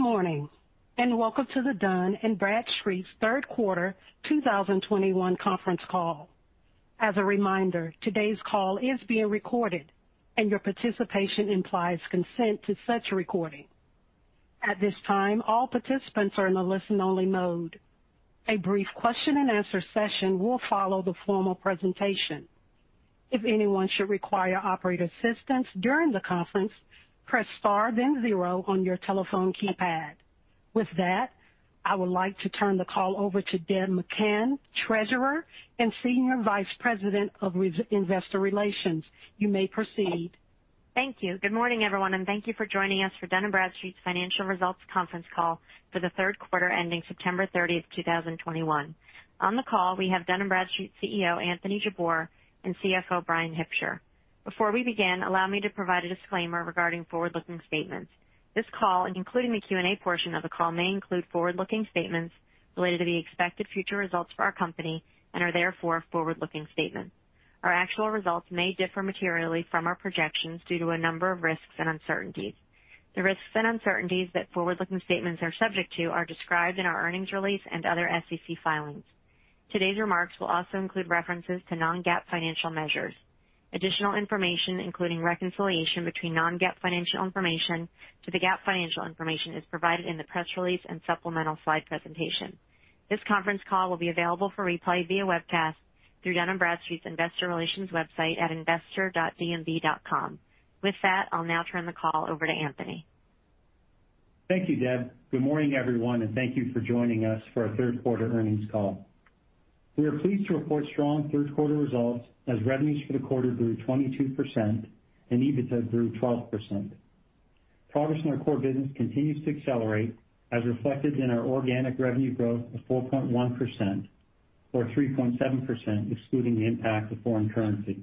Good morning, and welcome to the Dun & Bradstreet's third quarter 2021 conference call. As a reminder, today's call is being recorded, and your participation implies consent to such recording. At this time, all participants are in a listen-only mode. A brief question-and-answer session will follow the formal presentation. If anyone should require operator assistance during the conference, press Star then zero on your telephone keypad. With that, I would like to turn the call over to Deb McCann, Treasurer and Senior Vice President of Investor Relations. You may proceed. Thank you. Good morning, everyone, and thank you for joining us for Dun & Bradstreet's financial results conference call for the third quarter ending September 30, 2021. On the call, we have Dun & Bradstreet CEO Anthony Jabbour and CFO Bryan Hipsher. Before we begin, allow me to provide a disclaimer regarding forward-looking statements. This call, including the Q&A portion of the call, may include forward-looking statements related to the expected future results for our company and are therefore forward-looking statements. Our actual results may differ materially from our projections due to a number of risks and uncertainties. The risks and uncertainties that forward-looking statements are subject to are described in our earnings release and other SEC filings. Today's remarks will also include references to non-GAAP financial measures. Additional information, including reconciliation between non-GAAP financial information to the GAAP financial information, is provided in the press release and supplemental slide presentation. This conference call will be available for replay via webcast through Dun & Bradstreet's investor relations website at investor.dnb.com. With that, I'll now turn the call over to Anthony. Thank you, Deb. Good morning, everyone, and thank you for joining us for our third quarter earnings call. We are pleased to report strong third quarter results as revenues for the quarter grew 22% and EBITDA grew 12%. Progress in our core business continues to accelerate as reflected in our organic revenue growth of 4.1% or 3.7% excluding the impact of foreign currency.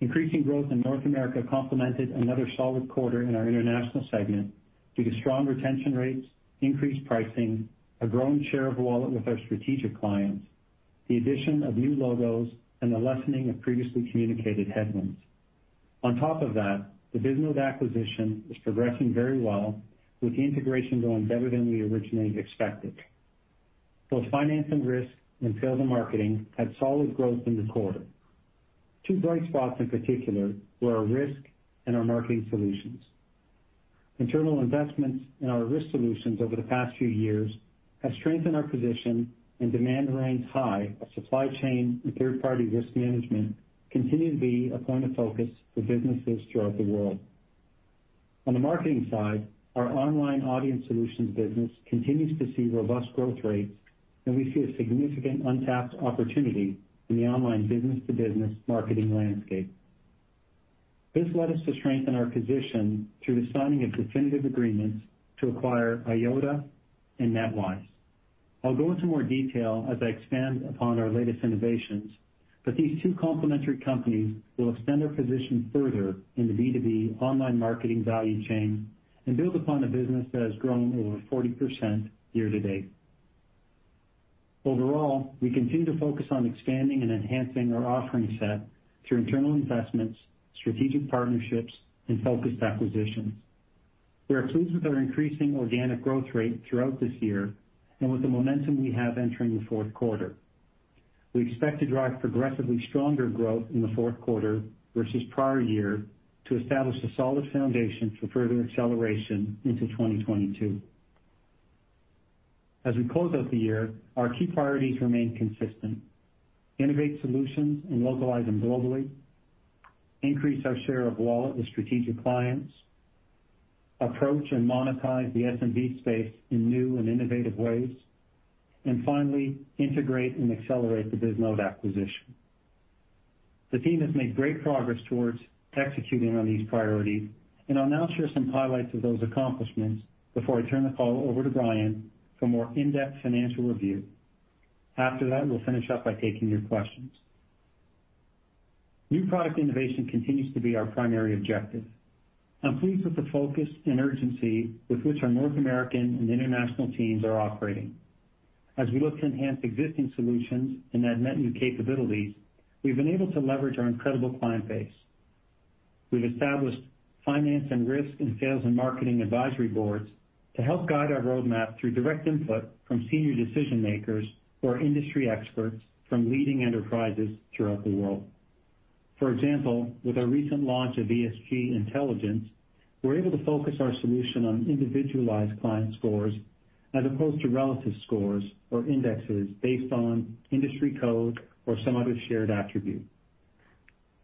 Increasing growth in North America complemented another solid quarter in our international segment due to strong retention rates, increased pricing, a growing share of wallet with our strategic clients, the addition of new logos, and the lessening of previously communicated headwinds. On top of that, the Bisnode acquisition is progressing very well with the integration going better than we originally expected. Both finance and risk and sales and marketing had solid growth in the quarter. Two bright spots in particular were our risk and our marketing solutions. Internal investments in our risk solutions over the past few years have strengthened our position and demand remains high as supply chain and third-party risk management continue to be a point of focus for businesses throughout the world. On the marketing side, our online audience solutions business continues to see robust growth rates, and we see a significant untapped opportunity in the online business-to-business marketing landscape. This led us to strengthen our position through the signing of definitive agreements to acquire Eyeota and NetWise. I'll go into more detail as I expand upon our latest innovations, but these two complementary companies will extend our position further in the B2B online marketing value chain and build upon a business that has grown over 40% year to date. Overall, we continue to focus on expanding and enhancing our offering set through internal investments, strategic partnerships, and focused acquisitions. We are pleased with our increasing organic growth rate throughout this year and with the momentum we have entering the fourth quarter. We expect to drive progressively stronger growth in the fourth quarter versus prior year to establish a solid foundation for further acceleration into 2022. As we close out the year, our key priorities remain consistent. Innovate solutions and localize them globally. Increase our share of wallet with strategic clients. Approach and monetize the SMB space in new and innovative ways. Finally, integrate and accelerate the Bisnode acquisition. The team has made great progress towards executing on these priorities, and I'll now share some highlights of those accomplishments before I turn the call over to Bryanfor a more in-depth financial review. After that, we'll finish up by taking your questions. New product innovation continues to be our primary objective. I'm pleased with the focus and urgency with which our North American and international teams are operating. As we look to enhance existing solutions and add net new capabilities, we've been able to leverage our incredible client base. We've established finance and risk and sales and marketing advisory boards to help guide our roadmap through direct input from senior decision-makers who are industry experts from leading enterprises throughout the world. For example, with our recent launch of ESG Intelligence, we're able to focus our solution on individualized client scores as opposed to relative scores or indexes based on industry code or some other shared attribute.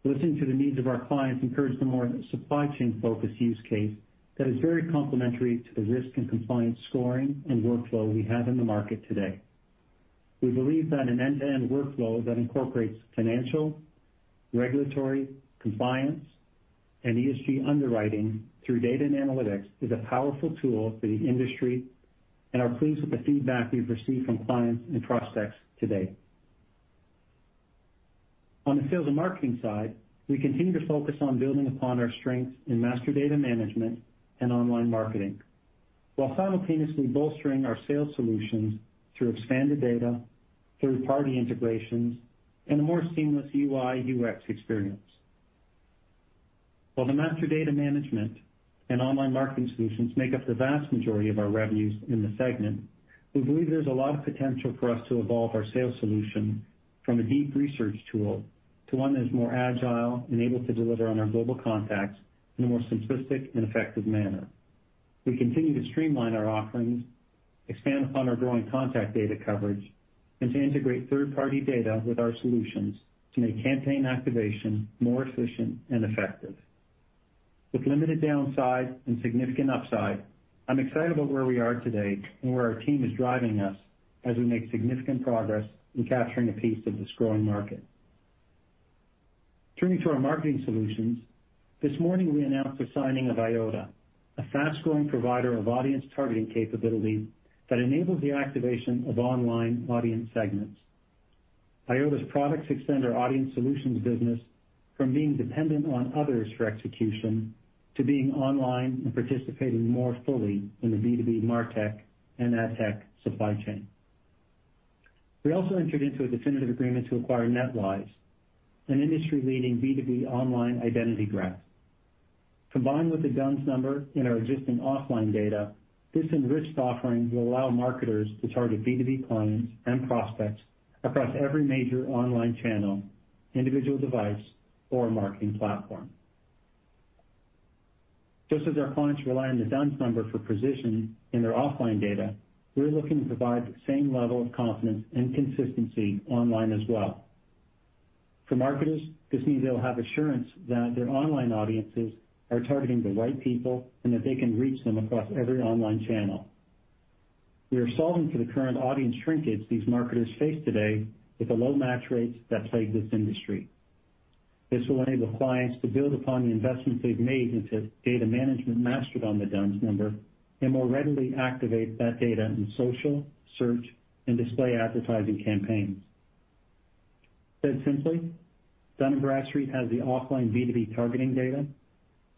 Listening to the needs of our clients encouraged a more supply chain-focused use case that is very complementary to the risk and compliance scoring and workflow we have in the market today. We believe that an end-to-end workflow that incorporates financial, regulatory, compliance, and ESG underwriting through data and analytics is a powerful tool for the industry and we are pleased with the feedback we've received from clients and prospects to date. On the sales and marketing side, we continue to focus on building upon our strengths in master data management and online marketing while simultaneously bolstering our sales solutions through expanded data, third-party integrations, and a more seamless UI/UX experience. While the master data management and online marketing solutions make up the vast majority of our revenues in the segment, we believe there's a lot of potential for us to evolve our sales solution from a deep research tool to one that is more agile and able to deliver on our global contacts in a more simplistic and effective manner. We continue to streamline our offerings, expand upon our growing contact data coverage, and to integrate third-party data with our solutions to make campaign activation more efficient and effective. With limited downside and significant upside, I'm excited about where we are today and where our team is driving us as we make significant progress in capturing a piece of this growing market. Turning to our marketing solutions, this morning we announced the signing of Eyeota, a fast-growing provider of audience targeting capability that enables the activation of online audience segments. Eyeota's products extend our audience solutions business from being dependent on others for execution to being online and participating more fully in the B2B MarTech and AdTech supply chain. We also entered into a definitive agreement to acquire NetWise, an industry-leading B2B online identity graph. Combined with the D-U-N-S number and our existing offline data, this enriched offering will allow marketers to target B2B clients and prospects across every major online channel, individual device, or marketing platform. Just as our clients rely on the D-U-N-S number for precision in their offline data, we're looking to provide the same level of confidence and consistency online as well. For marketers, this means they'll have assurance that their online audiences are targeting the right people and that they can reach them across every online channel. We are solving for the current audience shrinkage these marketers face today with the low match rates that plague this industry. This will enable clients to build upon the investments they've made into data management mastered on the D-U-N-S number and more readily activate that data in social, search, and display advertising campaigns. Said simply, Dun & Bradstreet has the offline B2B targeting data.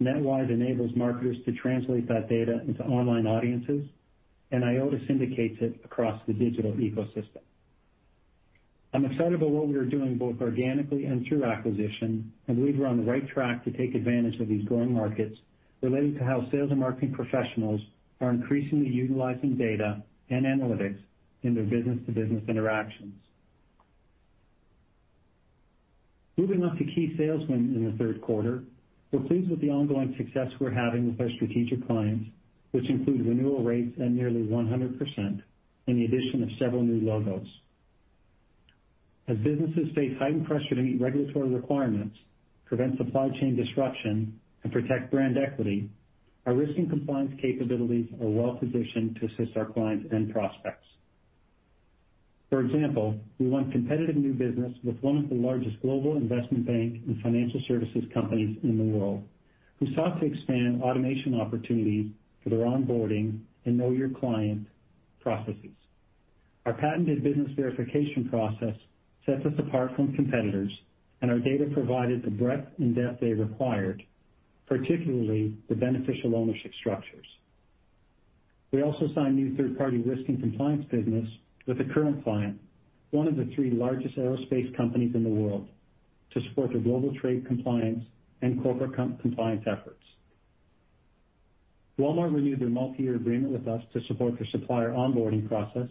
NetWise enables marketers to translate that data into online audiences, and Eyeota syndicates it across the digital ecosystem. I'm excited about what we are doing both organically and through acquisition, and believe we're on the right track to take advantage of these growing markets related to how sales and marketing professionals are increasingly utilizing data and analytics in their business-to-business interactions. Moving on to key sales wins in the third quarter. We're pleased with the ongoing success we're having with our strategic clients, which include renewal rates at nearly 100% and the addition of several new logos. As businesses face heightened pressure to meet regulatory requirements, prevent supply chain disruption, and protect brand equity, our risk and compliance capabilities are well positioned to assist our clients and prospects. For example, we won competitive new business with one of the largest global investment bank and financial services companies in the world, who sought to expand automation opportunities for their onboarding and know your client processes. Our patented business verification process sets us apart from competitors, and our data provided the breadth and depth they required, particularly the beneficial ownership structures. We also signed new third-party risk and compliance business with a current client, one of the three largest aerospace companies in the world, to support their global trade compliance and corporate compliance efforts. Walmart renewed their multi-year agreement with us to support their supplier onboarding process,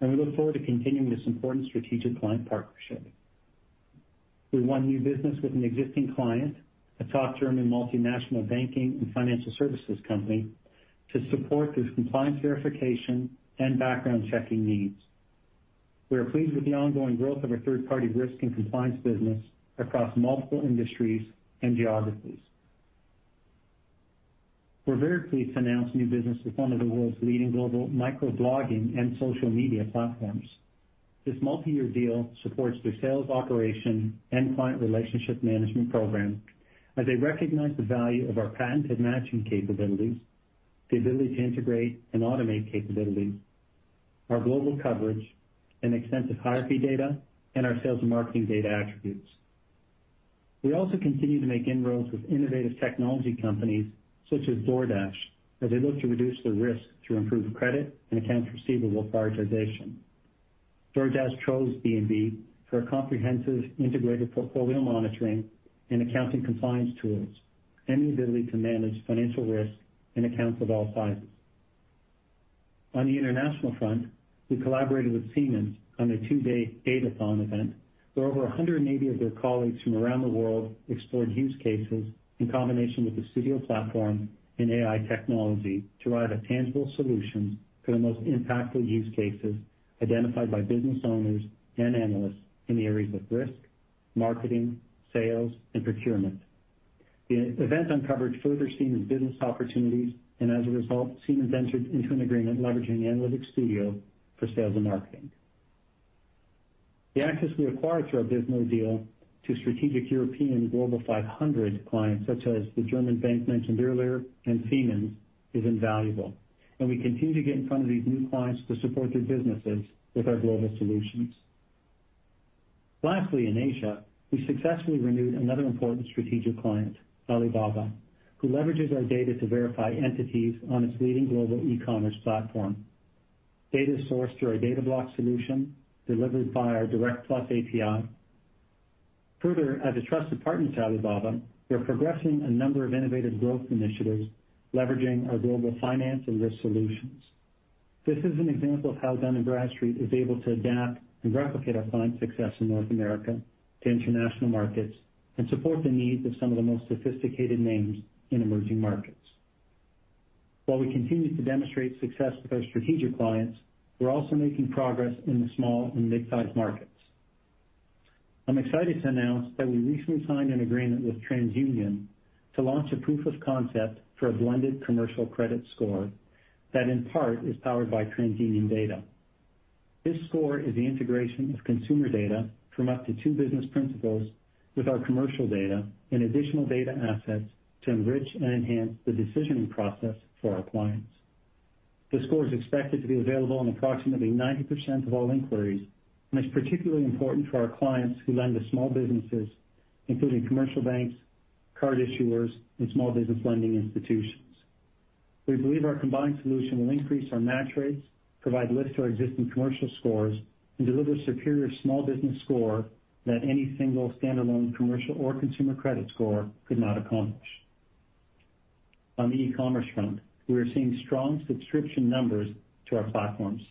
and we look forward to continuing this important strategic client partnership. We won new business with an existing client, a top German multinational banking and financial services company, to support their compliance verification and background checking needs. We are pleased with the ongoing growth of our third-party risk and compliance business across multiple industries and geographies. We're very pleased to announce new business with one of the world's leading global microblogging and social media platforms. This multi-year deal supports their sales operation and client relationship management program as they recognize the value of our patented matching capabilities, the ability to integrate and automate capabilities, our global coverage and extensive hierarchy data, and our sales and marketing data attributes. We also continue to make inroads with innovative technology companies such as DoorDash as they look to reduce their risk through improved credit and accounts receivable prioritization. DoorDash chose D&B for our comprehensive integrated portfolio monitoring and accounting compliance tools and the ability to manage financial risk in accounts of all sizes. On the international front, we collaborated with Siemens on their two-day datathon event, where over 180 of their colleagues from around the world explored use cases in combination with Analytics Studio and AI technology to arrive at tangible solutions for the most impactful use cases identified by business owners and analysts in the areas of risk, marketing, sales, and procurement. The event uncovered further Siemens business opportunities, and as a result, Siemens entered into an agreement leveraging Analytics Studio for sales and marketing. The access we acquired through our Bisnode deal to strategic European Global 500 clients such as the German bank mentioned earlier and Siemens is invaluable, and we continue to get in front of these new clients to support their businesses with our global solutions. Lastly, in Asia, we successfully renewed another important strategic client, Alibaba, who leverages our data to verify entities on its leading global e-commerce platform. Data sourced through our Data Blocks solution delivered by our D&B Direct+ API. Further, as a trusted partner to Alibaba, we're progressing a number of innovative growth initiatives leveraging our global finance and risk solutions. This is an example of how Dun & Bradstreet is able to adapt and replicate our client success in North America to international markets and support the needs of some of the most sophisticated names in emerging markets. While we continue to demonstrate success with our strategic clients, we're also making progress in the small and mid-sized markets. I'm excited to announce that we recently signed an agreement with TransUnion to launch a proof of concept for a blended commercial credit score that in part is powered by TransUnion data. This score is the integration of consumer data from up to two business principals with our commercial data and additional data assets to enrich and enhance the decisioning process for our clients. The score is expected to be available on approximately 90% of all inquiries, and it's particularly important for our clients who lend to small businesses, including commercial banks, card issuers, and small business lending institutions. We believe our combined solution will increase our match rates, provide lift to our existing commercial scores, and deliver superior small business score that any single standalone commercial or consumer credit score could not accomplish. On the e-commerce front, we are seeing strong subscription numbers to our platforms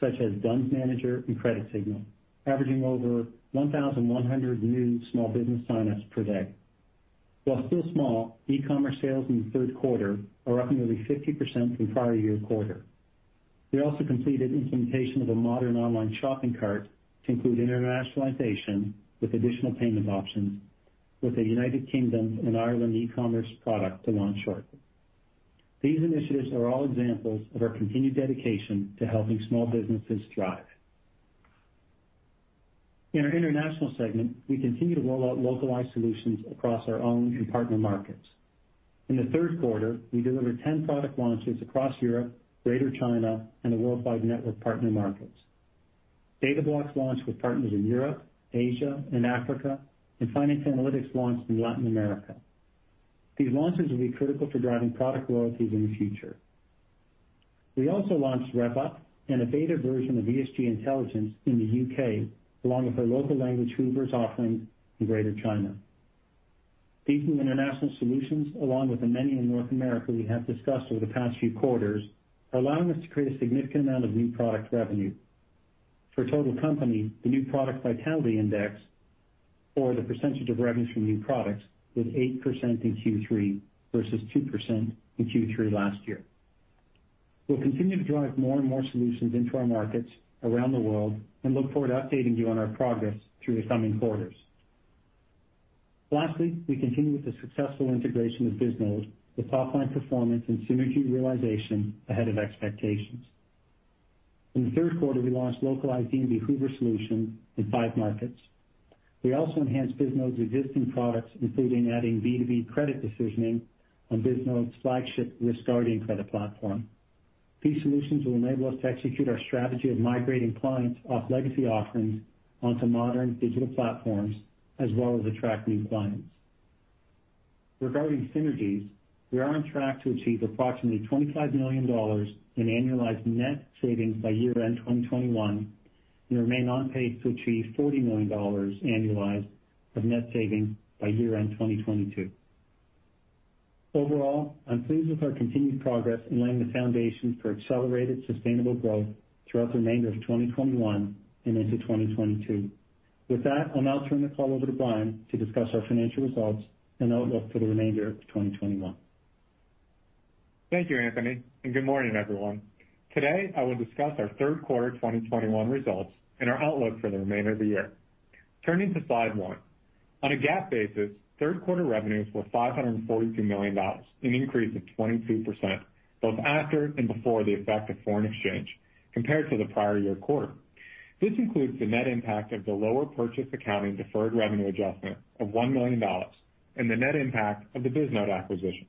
such as D-U-N-S Manager and CreditSignal, averaging over 1,100 new small business sign-ups per day. While still small, e-commerce sales in the third quarter are up nearly 50% from prior year quarter. We also completed implementation of a modern online shopping cart to include internationalization with additional payment options with the United Kingdom and Ireland e-commerce product to launch shortly. These initiatives are all examples of our continued dedication to helping small businesses thrive. In our international segment, we continue to roll out localized solutions across our own and partner markets. In the third quarter, we delivered 10 product launches across Europe, Greater China, and the Worldwide Network partner markets. Data Blocks launched with partners in Europe, Asia, and Africa, and Finance Analytics launched in Latin America. These launches will be critical to driving product loyalties in the future. We also launched Rev.Up and a beta version of ESG Intelligence in the U.K., along with our local language Hoovers offering in Greater China. These new international solutions, along with the many in North America we have discussed over the past few quarters, are allowing us to create a significant amount of new product revenue. For total company, the new product vitality index or the percentage of revenue from new products was 8% in Q3 versus 2% in Q3 last year. We'll continue to drive more and more solutions into our markets around the world and look forward to updating you on our progress through the coming quarters. Lastly, we continue with the successful integration of Bisnode, with top-line performance and synergy realization ahead of expectations. In the third quarter, we launched localized B2B Hoovers solution in five markets. We also enhanced Bisnode's existing products, including adding B2B credit decisioning on Bisnode's flagship Risk Guardian credit platform. These solutions will enable us to execute our strategy of migrating clients off legacy offerings onto modern digital platforms, as well as attract new clients. Regarding synergies, we are on track to achieve approximately $25 million in annualized net savings by year-end 2021, and we remain on pace to achieve $40 million annualized of net savings by year-end 2022. Overall, I'm pleased with our continued progress in laying the foundation for accelerated sustainable growth throughout the remainder of 2021 and into 2022. With that, I'll now turn the call over to Bryan to discuss our financial results and outlook for the remainder of 2021. Thank you, Anthony, and good morning, everyone. Today, I will discuss our third quarter 2021 results and our outlook for the remainder of the year. Turning to slide 1. On a GAAP basis, third quarter revenues were $542 million, an increase of 22% both after and before the effect of foreign exchange compared to the prior year quarter. This includes the net impact of the lower purchase accounting deferred revenue adjustment of $1 million and the net impact of the Bisnode acquisition.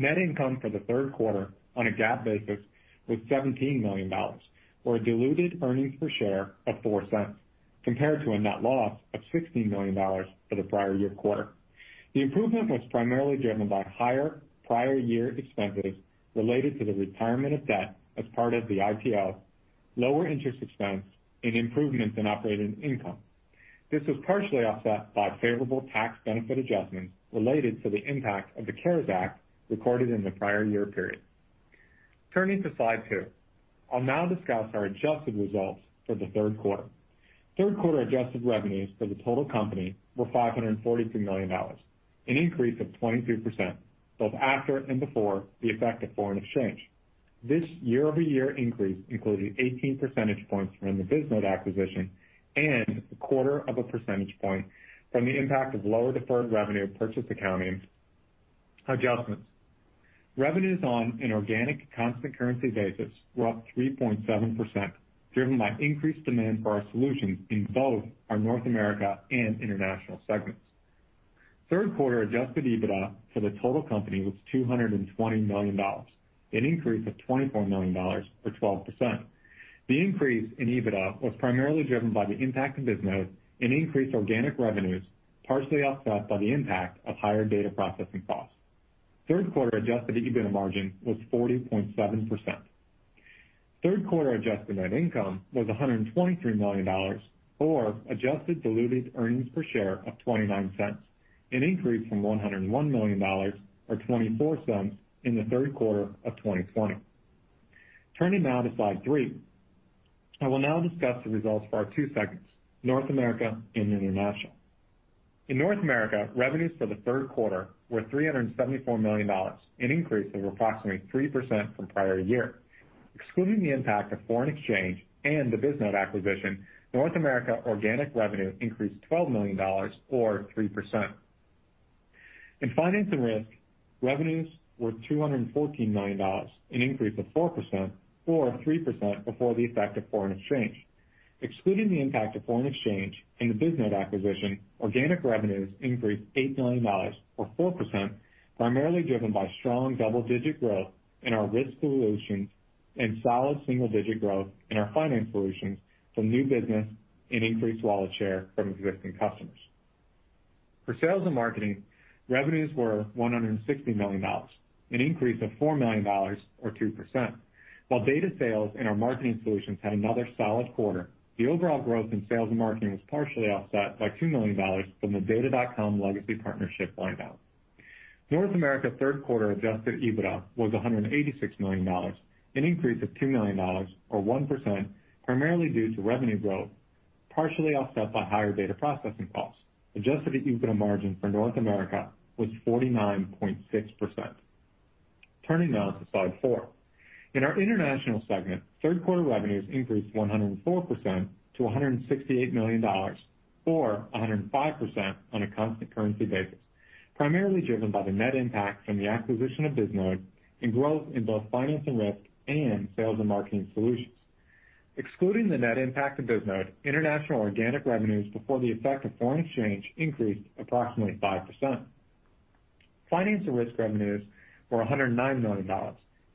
Net income for the third quarter on a GAAP basis was $17 million or diluted earnings per share of $0.04 compared to a net loss of $16 million for the prior year quarter. The improvement was primarily driven by higher prior year expenses related to the retirement of debt as part of the IPO, lower interest expense and improvements in operating income. This was partially offset by favorable tax benefit adjustments related to the impact of the CARES Act recorded in the prior year period. Turning to Slide 2. I'll now discuss our adjusted results for the third quarter. Third quarter adjusted revenues for the total company were $543 million, an increase of 23% both after and before the effect of foreign exchange. This year-over-year increase includes 18 percentage points from the Bisnode acquisition and a quarter of a percentage point from the impact of lower deferred revenue purchase accounting adjustments. Revenues on an organic constant currency basis were up 3.7%, driven by increased demand for our solutions in both our North America and International segments. Third quarter Adjusted EBITDA for the total company was $220 million, an increase of $24 million or 12%. The increase in EBITDA was primarily driven by the impact of Bisnode and increased organic revenues, partially offset by the impact of higher data processing costs. Third quarter Adjusted EBITDA margin was 40.7%. Third quarter adjusted net income was $123 million or adjusted diluted earnings per share of $0.29, an increase from $101 million or $0.24 in the third quarter of 2020. Turning now to slide 3. I will now discuss the results for our two segments, North America and International. In North America, revenues for the third quarter were $374 million, an increase of approximately 3% from prior year. Excluding the impact of foreign exchange and the Bisnode acquisition, North America organic revenue increased $12 million or 3%. In Finance and Risk, revenues were $214 million, an increase of 4% or 3% before the effect of foreign exchange. Excluding the impact of foreign exchange and the Bisnode acquisition, organic revenues increased $8 million or 4%, primarily driven by strong double-digit growth in our risk solutions and solid single-digit growth in our finance solutions from new business and increased wallet share from existing customers. For Sales and Marketing, revenues were $160 million, an increase of $4 million or 2%. While data sales in our marketing solutions had another solid quarter, the overall growth in sales and marketing was partially offset by $2 million from the Data.com legacy partnership wind down. North America third quarter Adjusted EBITDA was $186 million, an increase of $2 million or 1%, primarily due to revenue growth, partially offset by higher data processing costs. Adjusted EBITDA margin for North America was 49.6%. Turning now to slide four. In our International segment, third quarter revenues increased 104% to $168 million, or 105% on a constant currency basis, primarily driven by the net impact from the acquisition of Bisnode and growth in both finance and risk and sales and marketing solutions. Excluding the net impact of Bisnode, international organic revenues before the effect of foreign exchange increased approximately 5%. Finance and risk revenues were $109 million,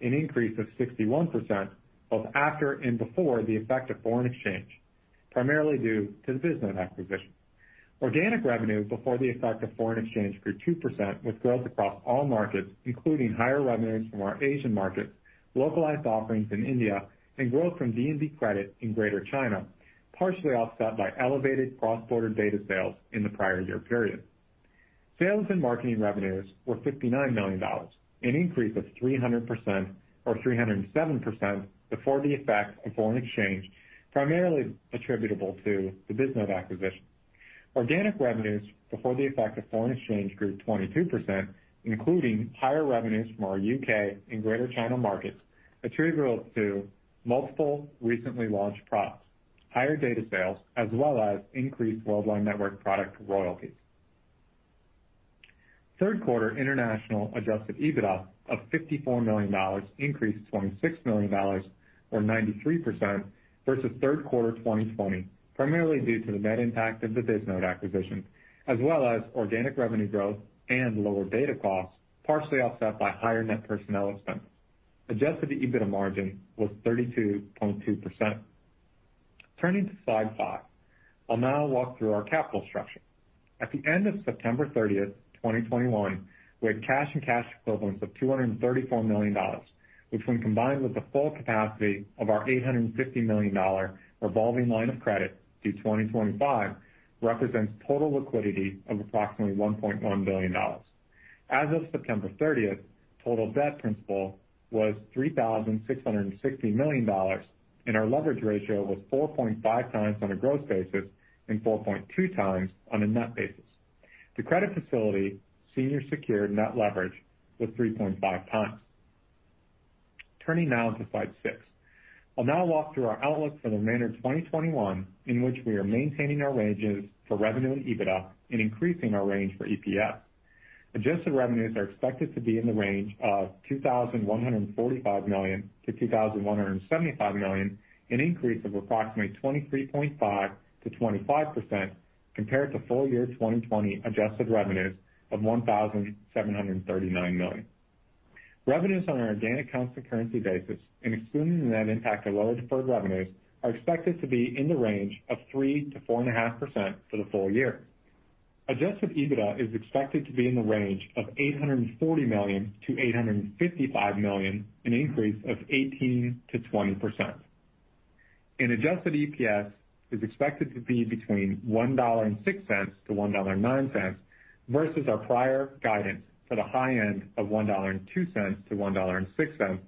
an increase of 61% both after and before the effect of foreign exchange, primarily due to the Bisnode acquisition. Organic revenues before the effect of foreign exchange grew 2% with growth across all markets, including higher revenues from our Asian markets, localized offerings in India, and growth from D&B Credit in Greater China, partially offset by elevated cross-border data sales in the prior year period. Sales and marketing revenues were $59 million, an increase of 300% or 307% before the effect of foreign exchange, primarily attributable to the Bisnode acquisition. Organic revenues before the effect of foreign exchange grew 22%, including higher revenues from our U.K. and Greater China markets attributable to multiple recently launched products, higher data sales, as well as increased Worldwide Network product royalties. Third quarter international Adjusted EBITDA of $54 million increased $26 million or 93% versus third quarter 2020, primarily due to the net impact of the Bisnode acquisition as well as organic revenue growth and lower data costs, partially offset by higher net personnel expenses. Adjusted EBITDA margin was 32.2%. Turning to slide 5. I'll now walk through our capital structure. At the end of September 30, 2021, we had cash and cash equivalents of $234 million, which when combined with the full capacity of our $850 million revolving line of credit through 2025, represents total liquidity of approximately $1.1 billion. As of September 30, total debt principal was $3,660 million, and our leverage ratio was 4.5x on a gross basis and 4.2x on a net basis. The credit facility senior secured net leverage was 3.5x. Turning now to slide 6. I'll now walk through our outlook for the remainder of 2021, in which we are maintaining our ranges for revenue and EBITDA and increasing our range for EPS. Adjusted revenues are expected to be in the range of $2,145 million-$2,175 million, an increase of approximately 23.5%-25% compared to full year 2020 adjusted revenues of $1,739 million. Revenues on an organic constant currency basis and excluding the net impact of lower deferred revenues are expected to be in the range of 3%-4.5% for the full year. Adjusted EBITDA is expected to be in the range of $840 million-$855 million, an increase of 18%-20%. Adjusted EPS is expected to be between $1.06-$1.09 versus our prior guidance to the high end of $1.02-$1.06,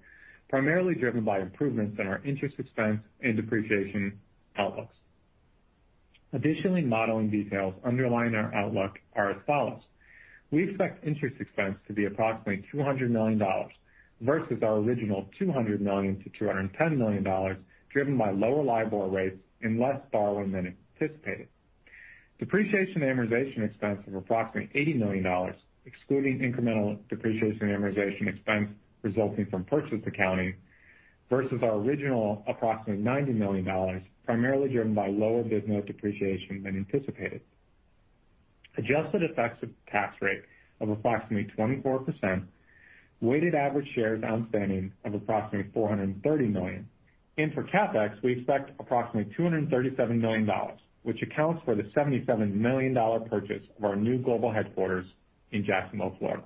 primarily driven by improvements in our interest expense and depreciation outlooks. Additionally, modeling details underlying our outlook are as follows. We expect interest expense to be approximately $200 million versus our original $200 million-$210 million, driven by lower LIBOR rates and less borrowing than anticipated. Depreciation and amortization expense of approximately $80 million, excluding incremental depreciation and amortization expense resulting from purchase accounting versus our original approximately $90 million, primarily driven by lower Bisnode depreciation than anticipated. Adjusted effective tax rate of approximately 24%, weighted average shares outstanding of approximately 430 million. For CapEx, we expect approximately $237 million, which accounts for the $77 million purchase of our new global headquarters in Jacksonville, Florida.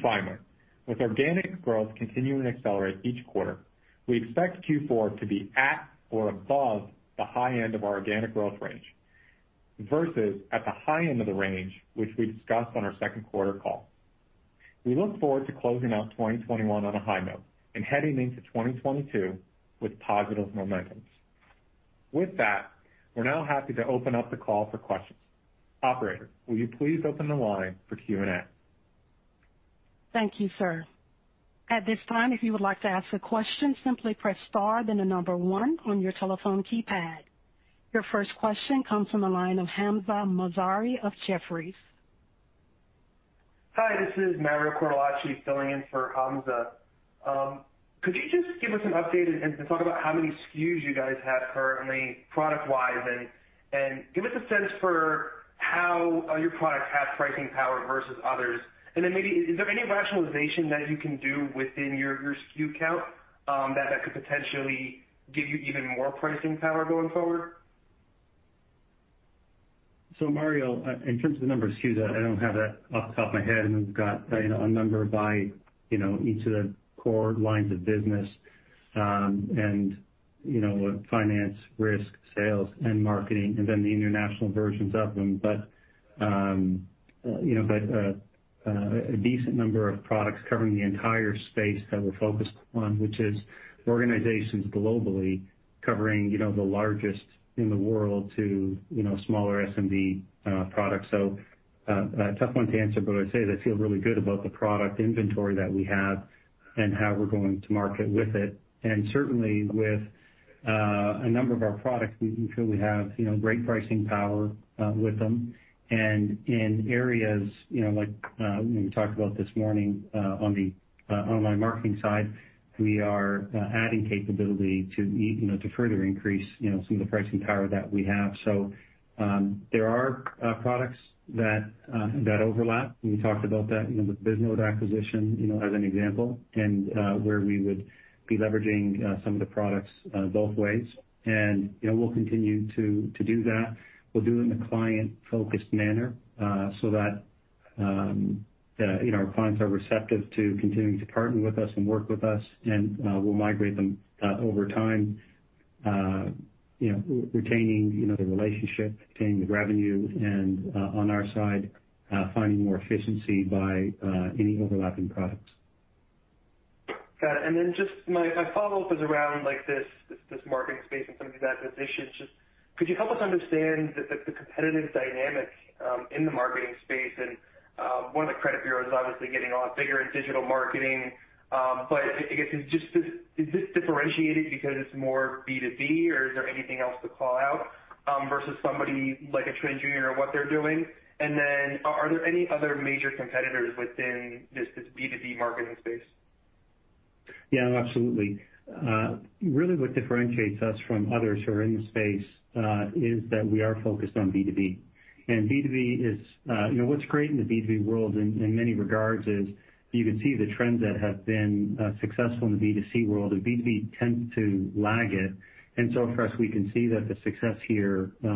Finally, with organic growth continuing to accelerate each quarter, we expect Q4 to be at or above the high end of our organic growth range versus at the high end of the range, which we discussed on our second quarter call. We look forward to closing out 2021 on a high note and heading into 2022 with positive momentum. With that, we're now happy to open up the call for questions. Operator, will you please open the line for Q&A? Thank you, sir. At this time, if you would like to ask a question, simply press star then the number one on your telephone keypad. Your first question comes from the line of Hamzah Mazari of Jefferies. Hi, this is Mario Cortellacci filling in for Hamzah. Could you just give us an update and talk about how many SKUs you guys have currently product-wise and give us a sense for how your products have pricing power versus others. Then maybe is there any rationalization that you can do within your SKU count that could potentially give you even more pricing power going forward? Mario, in terms of the number of SKUs, I don't have that off the top of my head. We've got, you know, a number by, you know, each of the core lines of business, and you know, finance, risk, sales and marketing, and then the international versions of them. A decent number of products covering the entire space that we're focused on, which is organizations globally covering, you know, the largest in the world to, you know, smaller SMB products. A tough one to answer, but I'd say I feel really good about the product inventory that we have and how we're going to market with it. Certainly with a number of our products, we feel we have, you know, great pricing power with them. In areas, you know, like, we talked about this morning, on the online marketing side, we are adding capability to you know, to further increase, you know, some of the pricing power that we have. So, there are products that overlap. We talked about that, you know, with the Bisnode acquisition, you know, as an example, and where we would be leveraging some of the products both ways. You know, we'll continue to do that. We'll do it in a client-focused manner, so that, you know, our clients are receptive to continuing to partner with us and work with us, and we'll migrate them over time, you know, retaining the relationship, retaining the revenue, and on our side, finding more efficiency by any overlapping products. Got it. Just my follow-up is around like this marketing space and some of these acquisitions. Could you help us understand the competitive dynamics in the marketing space? One of the credit bureaus obviously getting a lot bigger in digital marketing. But I guess is this differentiated because it's more B2B or is there anything else to call out versus somebody like a TransUnion or what they're doing? Are there any other major competitors within this B2B marketing space? Yeah, absolutely. Really what differentiates us from others who are in the space is that we are focused on B2B. B2B is, you know, what's great in the B2B world in many regards is you can see the trends that have been successful in the B2C world, and B2B tends to lag it. For us, we can see that the success here, you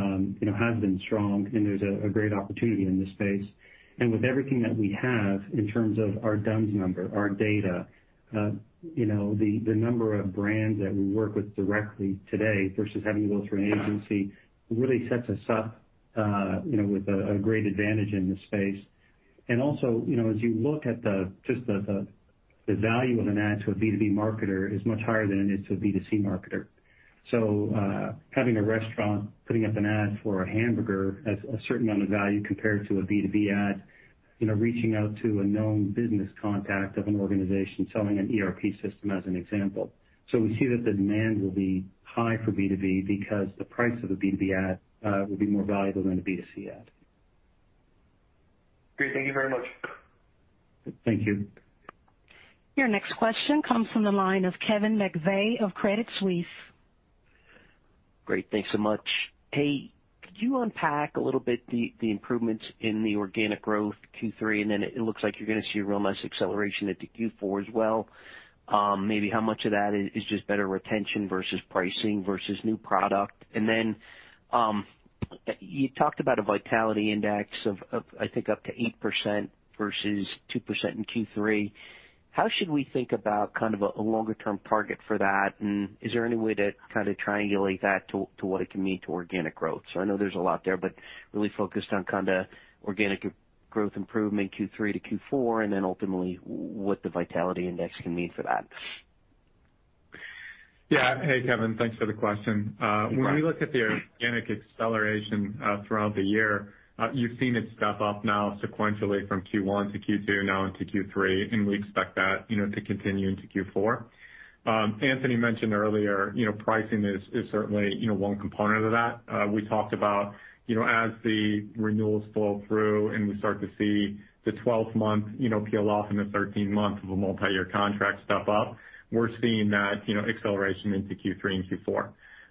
know, has been strong and there's a great opportunity in this space. With everything that we have in terms of our D-U-N-S Number, our data, you know, the number of brands that we work with directly today versus having to go through an agency really sets us up, you know, with a great advantage in this space. Also, you know, as you look at just the value of an ad to a B2B marketer is much higher than it is to a B2C marketer. Having a restaurant putting up an ad for a hamburger has a certain amount of value compared to a B2B ad, you know, reaching out to a known business contact of an organization selling an ERP system as an example. We see that the demand will be high for B2B because the price of a B2B ad will be more valuable than a B2C ad. Great. Thank you very much. Thank you. Your next question comes from the line of Kevin McVeigh of Credit Suisse. Great. Thanks so much. Hey, could you unpack a little bit the improvements in the organic growth Q3, and then it looks like you're gonna see a real nice acceleration into Q4 as well. Maybe how much of that is just better retention versus pricing versus new product? And then, you talked about a vitality index of I think up to 8% versus 2% in Q3. How should we think about kind of a longer term target for that? And is there any way to kind of triangulate that to what it can mean to organic growth? I know there's a lot there, but really focused on kinda organic growth improvement Q3 to Q4 and then ultimately what the vitality index can mean for that. Hey, Kevin. Thanks for the question. When we look at the organic acceleration throughout the year, you've seen it step up now sequentially from Q1 to Q2, now into Q3, and we expect that, you know, to continue into Q4. Anthony mentioned earlier, you know, pricing is certainly, you know, one component of that. We talked about, you know, as the renewals flow through and we start to see the twelfth month, you know, peel off and the thirteen month of a multiyear contract step up, we're seeing that, you know, acceleration into Q3 and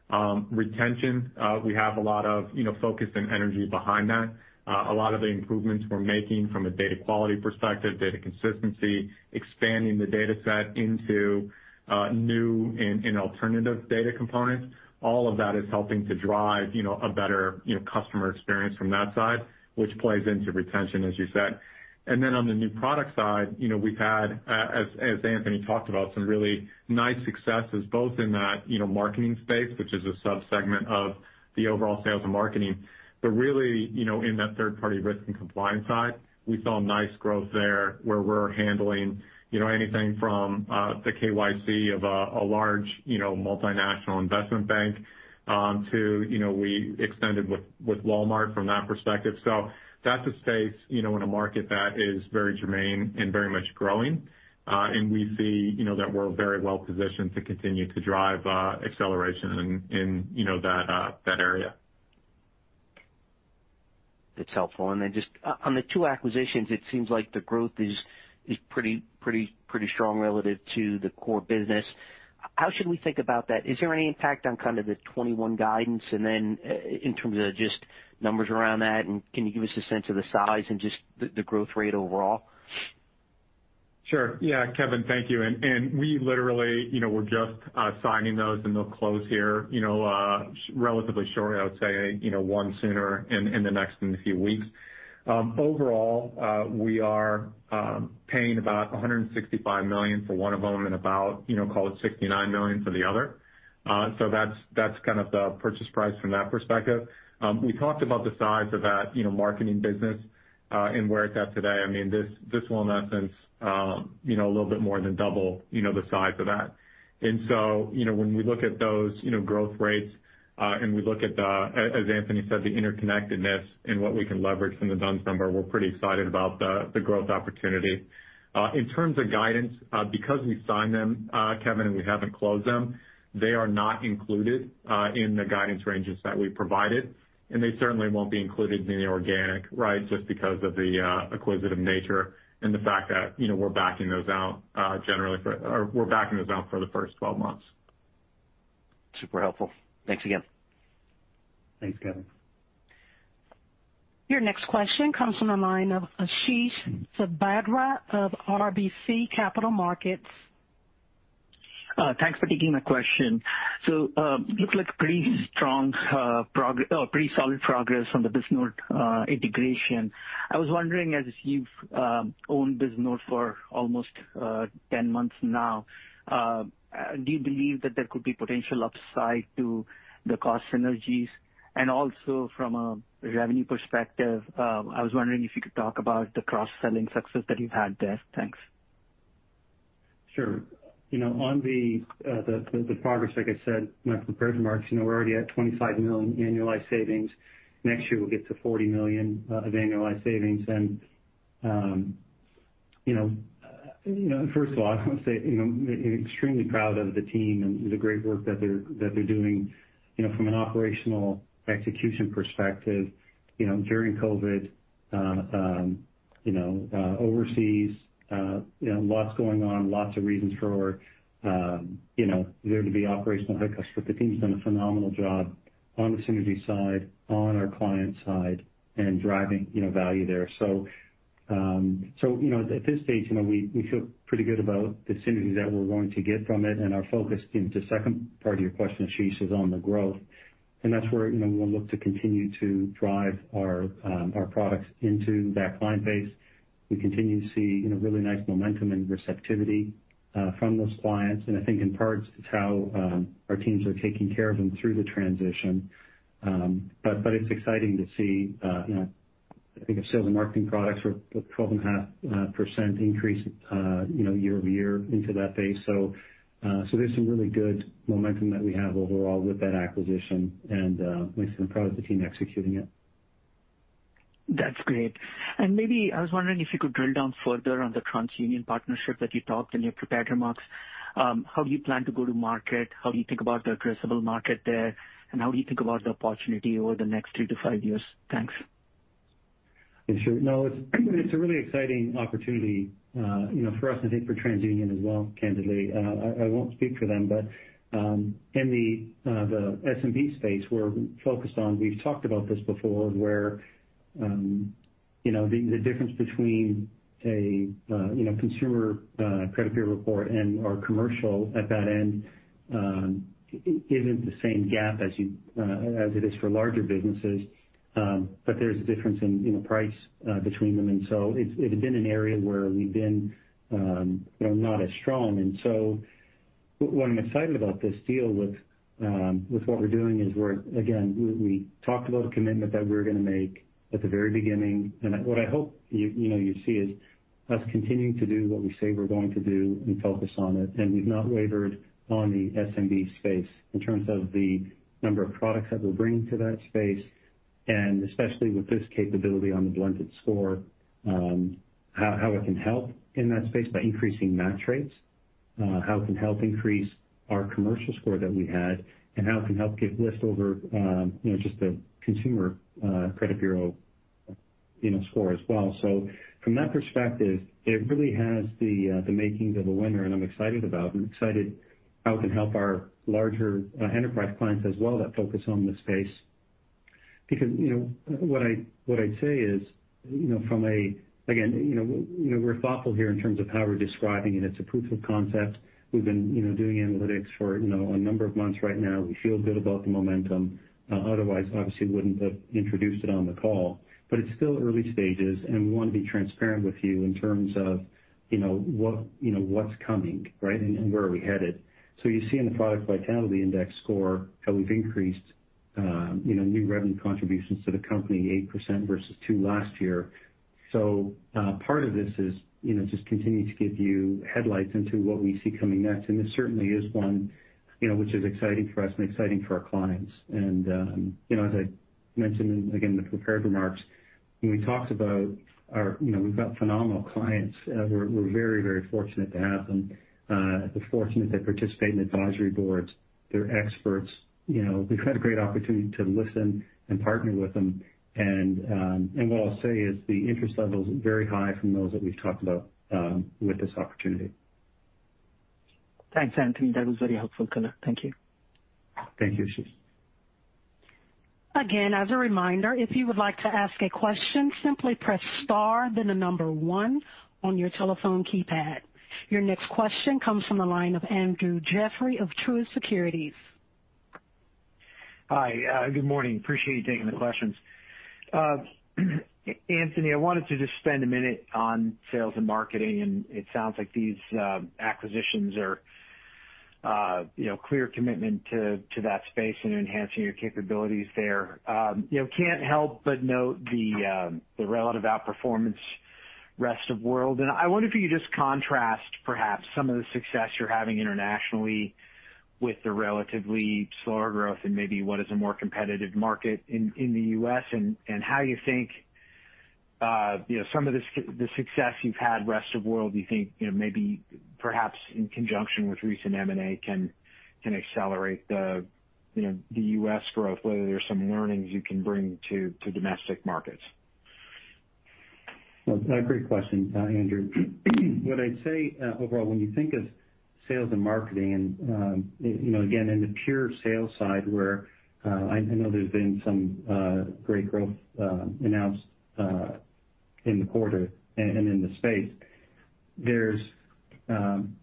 Q4. Retention, we have a lot of, you know, focus and energy behind that. A lot of the improvements we're making from a data quality perspective, data consistency, expanding the data set into new and alternative data components, all of that is helping to drive, you know, a better, you know, customer experience from that side, which plays into retention, as you said. On the new product side, you know, we've had, as Anthony talked about, some really nice successes both in that, you know, marketing space, which is a sub-segment of the overall sales and marketing. Really, you know, in that third-party risk and compliance side, we saw nice growth there, where we're handling, you know, anything from the KYC of a large, you know, multinational investment bank to, you know, we extended with Walmart from that perspective. That's a space, you know, in a market that is very germane and very much growing, and we see, you know, that we're very well positioned to continue to drive acceleration in you know, that area. That's helpful. Just on the two acquisitions, it seems like the growth is pretty strong relative to the core business. How should we think about that? Is there any impact on kind of the 2021 guidance? In terms of just numbers around that, and can you give us a sense of the size and just the growth rate overall? Sure. Yeah. Kevin, thank you. We literally, you know, we're just signing those, and they'll close here, you know, relatively shortly. I would say, you know, one sooner in the next few weeks. Overall, we are paying about $165 million for one of them and about, you know, call it $69 million for the other. So that's kind of the purchase price from that perspective. We talked about the size of that, you know, marketing business and where it's at today. I mean, this will, in that sense, you know, a little bit more than double, you know, the size of that. You know, when we look at those, you know, growth rates and we look at the... As Anthony said, the interconnectedness and what we can leverage from the Dun & Bradstreet, we're pretty excited about the growth opportunity. In terms of guidance, because we've signed them, Kevin, and we haven't closed them, they are not included in the guidance ranges that we provided, and they certainly won't be included in the organic, right? Just because of the acquisitive nature and the fact that, you know, we're backing those out, or we're backing those out for the first 12 months. Super helpful. Thanks again. Thanks, Kevin. Your next question comes from the line of Ashish Sabadra of RBC Capital Markets. Thanks for taking my question. Looks like pretty solid progress on the Bisnode integration. I was wondering, as you've owned Bisnode for almost 10 months now, do you believe that there could be potential upside to the cost synergies? Also from a revenue perspective, I was wondering if you could talk about the cross-selling success that you've had there. Thanks. Sure. You know, on the progress, like I said in my prepared remarks, you know, we're already at $25 million annualized savings. Next year, we'll get to $40 million of annualized savings. You know, first of all, I wanna say, you know, extremely proud of the team and the great work that they're doing, you know, from an operational execution perspective, you know, during COVID, overseas, you know, lots going on, lots of reasons for, you know, there to be operational hiccups. The team's done a phenomenal job on the synergy side, on our client side, and driving, you know, value there. You know, at this stage, you know, we feel pretty good about the synergies that we're going to get from it, and our focus in the second part of your question, Ashish, is on the growth. That's where, you know, we'll look to continue to drive our products into that client base. We continue to see, you know, really nice momentum and receptivity from those clients, and I think in parts it's how our teams are taking care of them through the transition. But it's exciting to see, you know, I think our sales and marketing products were 12.5% increase year over year into that base. There's some really good momentum that we have overall with that acquisition, and like I said, I'm proud of the team executing it. That's great. Maybe I was wondering if you could drill down further on the TransUnion partnership that you talked in your prepared remarks. How do you plan to go to market? How do you think about the addressable market there? And how do you think about the opportunity over the next three to five years? Thanks. Yeah, sure. No, it's a really exciting opportunity, you know, for us and I think for TransUnion as well, candidly. I won't speak for them, but in the SMB space, we're focused on, we've talked about this before, where the difference between a consumer credit bureau report and our commercial at that end is the same gap as it is for larger businesses. But there's a difference in, you know, price between them, and it's been an area where we've been, you know, not as strong. What I'm excited about this deal with what we're doing is, again, we talked about the commitment that we're gonna make at the very beginning. What I hope you know, you see is us continuing to do what we say we're going to do and focus on it. We've not wavered on the SMB space in terms of the number of products that we're bringing to that space. Especially with this capability on the blended score, how it can help in that space by increasing match rates, how it can help increase our commercial score that we had and how it can help give lift over, you know, just the consumer credit bureau score as well. From that perspective, it really has the makings of a winner, and I'm excited how it can help our larger enterprise clients as well that focus on the space. Because, you know, what I'd say is, you know, again, you know, we're thoughtful here in terms of how we're describing it. It's a proof of concept. We've been, you know, doing analytics for, you know, a number of months right now. We feel good about the momentum. Otherwise, obviously wouldn't have introduced it on the call. But it's still early stages, and we wanna be transparent with you in terms of, you know, what, you know, what's coming, right, and where are we headed. So you see in the product vitality index score how we've increased, you know, new revenue contributions to the company 8% versus 2% last year. Part of this is, you know, just continuing to give you headlights into what we see coming next, and this certainly is one, you know, which is exciting for us and exciting for our clients. You know, as I mentioned, again, in the prepared remarks, when we talked about our phenomenal clients. You know, we've got phenomenal clients. We're very fortunate to have them, fortunate they participate in advisory boards. They're experts. You know, we've had a great opportunity to listen and partner with them. What I'll say is the interest level is very high from those that we've talked about with this opportunity. Thanks, Anthony. That was very helpful color. Thank you. Thank you, Ashish. Again, as a reminder, if you would like to ask a question, simply press star then the number one on your telephone keypad. Your next question comes from the line of Andrew Jeffrey of Truist Securities. Hi. Good morning. Appreciate you taking the questions. Anthony, I wanted to just spend a minute on sales and marketing, and it sounds like these acquisitions are, you know, clear commitment to that space and enhancing your capabilities there. You know, can't help but note the relative outperformance rest of world. I wonder if you could just contrast perhaps some of the success you're having internationally with the relatively slower growth and maybe what is a more competitive market in the U.S. and how you think, you know, some of the success you've had rest of world, do you think, you know, maybe perhaps in conjunction with recent M&A can accelerate the U.S. growth, whether there's some learnings you can bring to domestic markets? Well, a great question, Andrew. What I'd say overall when you think of sales and marketing and, you know, again, in the pure sales side where I know there's been some great growth announced in the quarter and in the space.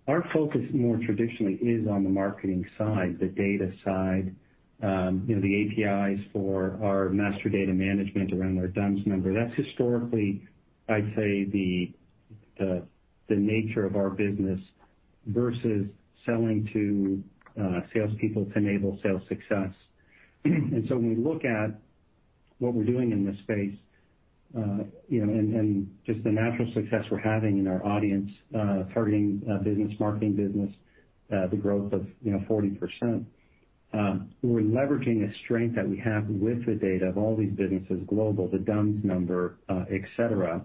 Our focus more traditionally is on the marketing side, the data side, you know, the APIs for our master data management around our D-U-N-S number. That's historically, I'd say, the nature of our business versus selling to salespeople to enable sales success. When we look at what we're doing in this space, you know, and just the natural success we're having in our audience targeting business marketing business, the 40% growth, we're leveraging a strength that we have with the data of all these businesses global, the D-U-N-S Number, et cetera.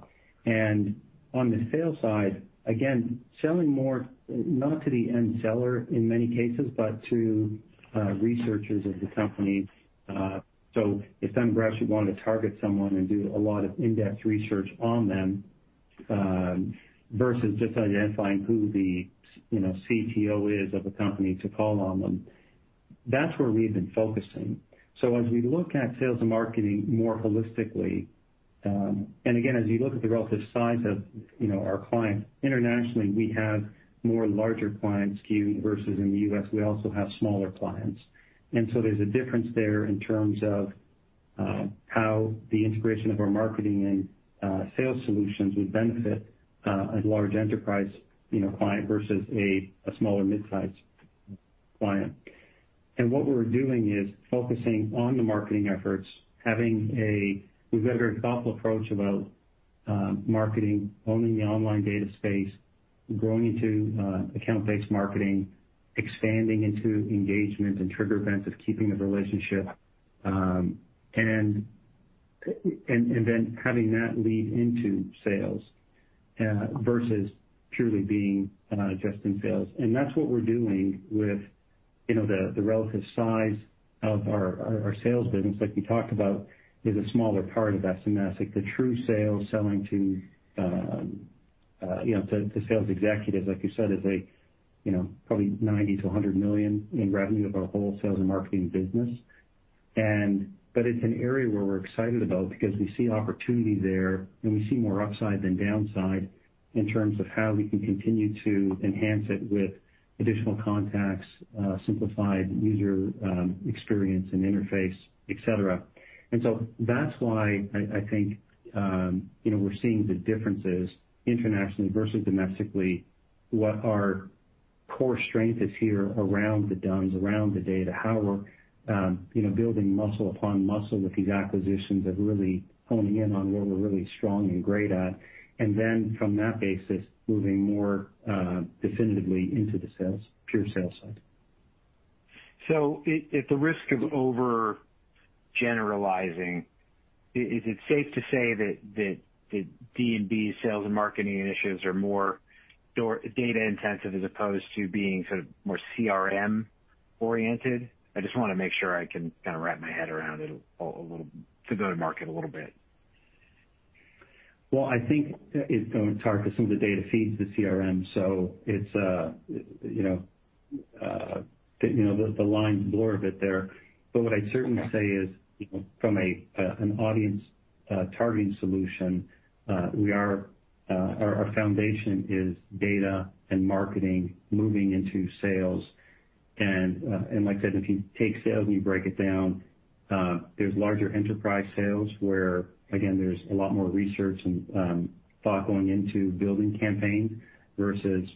On the sales side, again, selling more not to the end seller in many cases, but to researchers of the company. If Dun & Bradstreet want to target someone and do a lot of in-depth research on them versus just identifying who the you know, CTO is of a company to call on them, that's where we've been focusing. As we look at sales and marketing more holistically, and again, as you look at the relative size of, you know, our clients, internationally, we have more larger clients skewed versus in the US, we also have smaller clients. There's a difference there in terms of how the integration of our marketing and sales solutions would benefit a large enterprise, you know, client versus a smaller mid-size client. What we're doing is focusing on the marketing efforts. We've got a very thoughtful approach about marketing, owning the online data space, growing into account-based marketing, expanding into engagement and trigger events of keeping the relationship, and then having that lead into sales versus purely being just in sales. That's what we're doing with you know the relative size of our sales business like we talked about is a smaller part of that schematic. The true sales selling to you know to sales executives like you said is a you know probably $90 million-$100 million in revenue of our whole sales and marketing business. But it's an area where we're excited about because we see opportunity there and we see more upside than downside in terms of how we can continue to enhance it with additional contacts simplified user experience and interface et cetera. That's why I think, you know, we're seeing the differences internationally versus domestically, what our core strength is here around the D-U-N-S, around the data, how we're, you know, building muscle upon muscle with these acquisitions of really honing in on what we're really strong and great at. Then from that basis, moving more definitively into the sales, pure sales side. At the risk of overgeneralizing, is it safe to say that D&B sales and marketing initiatives are more data intensive as opposed to being sort of more CRM oriented? I just wanna make sure I can kinda wrap my head around it a little to go to market a little bit. Well, I think it's going to target some of the data feeds, the CRM, so it's you know, the lines blur a bit there. What I'd certainly say is, you know, from an audience targeting solution, our foundation is data and marketing moving into sales. Like I said, if you take sales and you break it down, there's larger enterprise sales where again, there's a lot more research and thought going into building campaigns versus,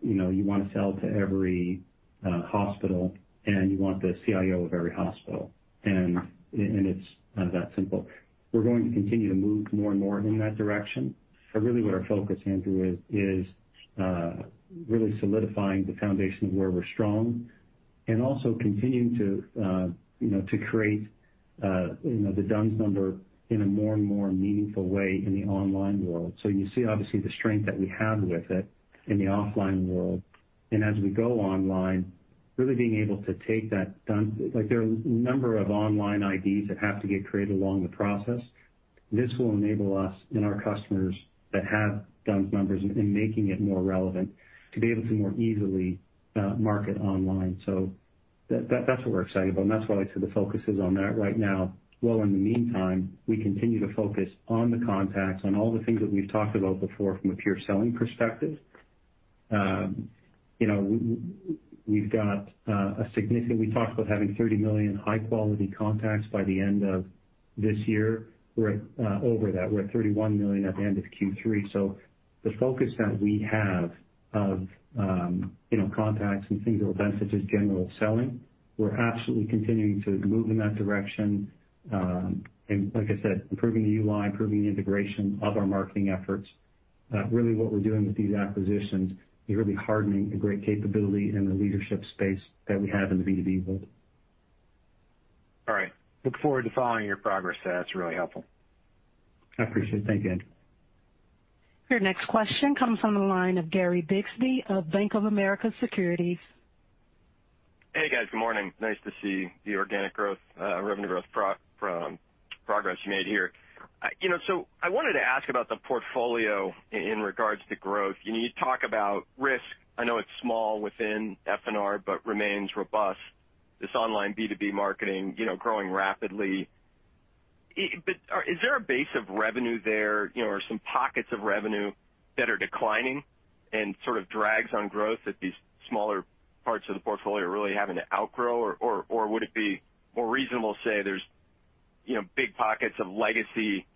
you know, you wanna sell to every hospital and you want the CIO of every hospital. It's not that simple. We're going to continue to move more and more in that direction, but really what our focus, Andrew, is really solidifying the foundation of where we're strong and also continuing to you know to create you know the D-U-N-S number in a more and more meaningful way in the online world. You see obviously the strength that we have with it in the offline world. As we go online, really being able to take that D-U-N-S like, there are a number of online IDs that have to get created along the process. This will enable us and our customers that have D-U-N-S numbers and making it more relevant to be able to more easily market online. That, that's what we're excited about, and that's why I said the focus is on that right now. While in the meantime, we continue to focus on the contacts, on all the things that we've talked about before from a pure selling perspective. You know, we talked about having 30 million high quality contacts by the end of this year. We're at over that. We're at 31 million at the end of Q3. The focus that we have of, you know, contacts and things of advantage in general selling, we're absolutely continuing to move in that direction. Like I said, improving the UI, improving the integration of our marketing efforts. Really what we're doing with these acquisitions is really hardening a great capability in the leading space that we have in the B2B world. All right. Look forward to following your progress. That's really helpful. I appreciate it. Thank you, Andrew. Your next question comes from the line of Gary Bisbee of Bank of America Securities. Hey, guys. Good morning. Nice to see the organic growth, revenue growth progress you made here. You know, so I wanted to ask about the portfolio in regards to growth. You know, you talk about risk. I know it's small within FNR, but remains robust. This online B2B marketing, you know, growing rapidly. But is there a base of revenue there, you know, or some pockets of revenue that are declining and sort of drags on growth that these smaller parts of the portfolio are really having to outgrow? Or would it be more reasonable to say there's, you know, big pockets of legacy,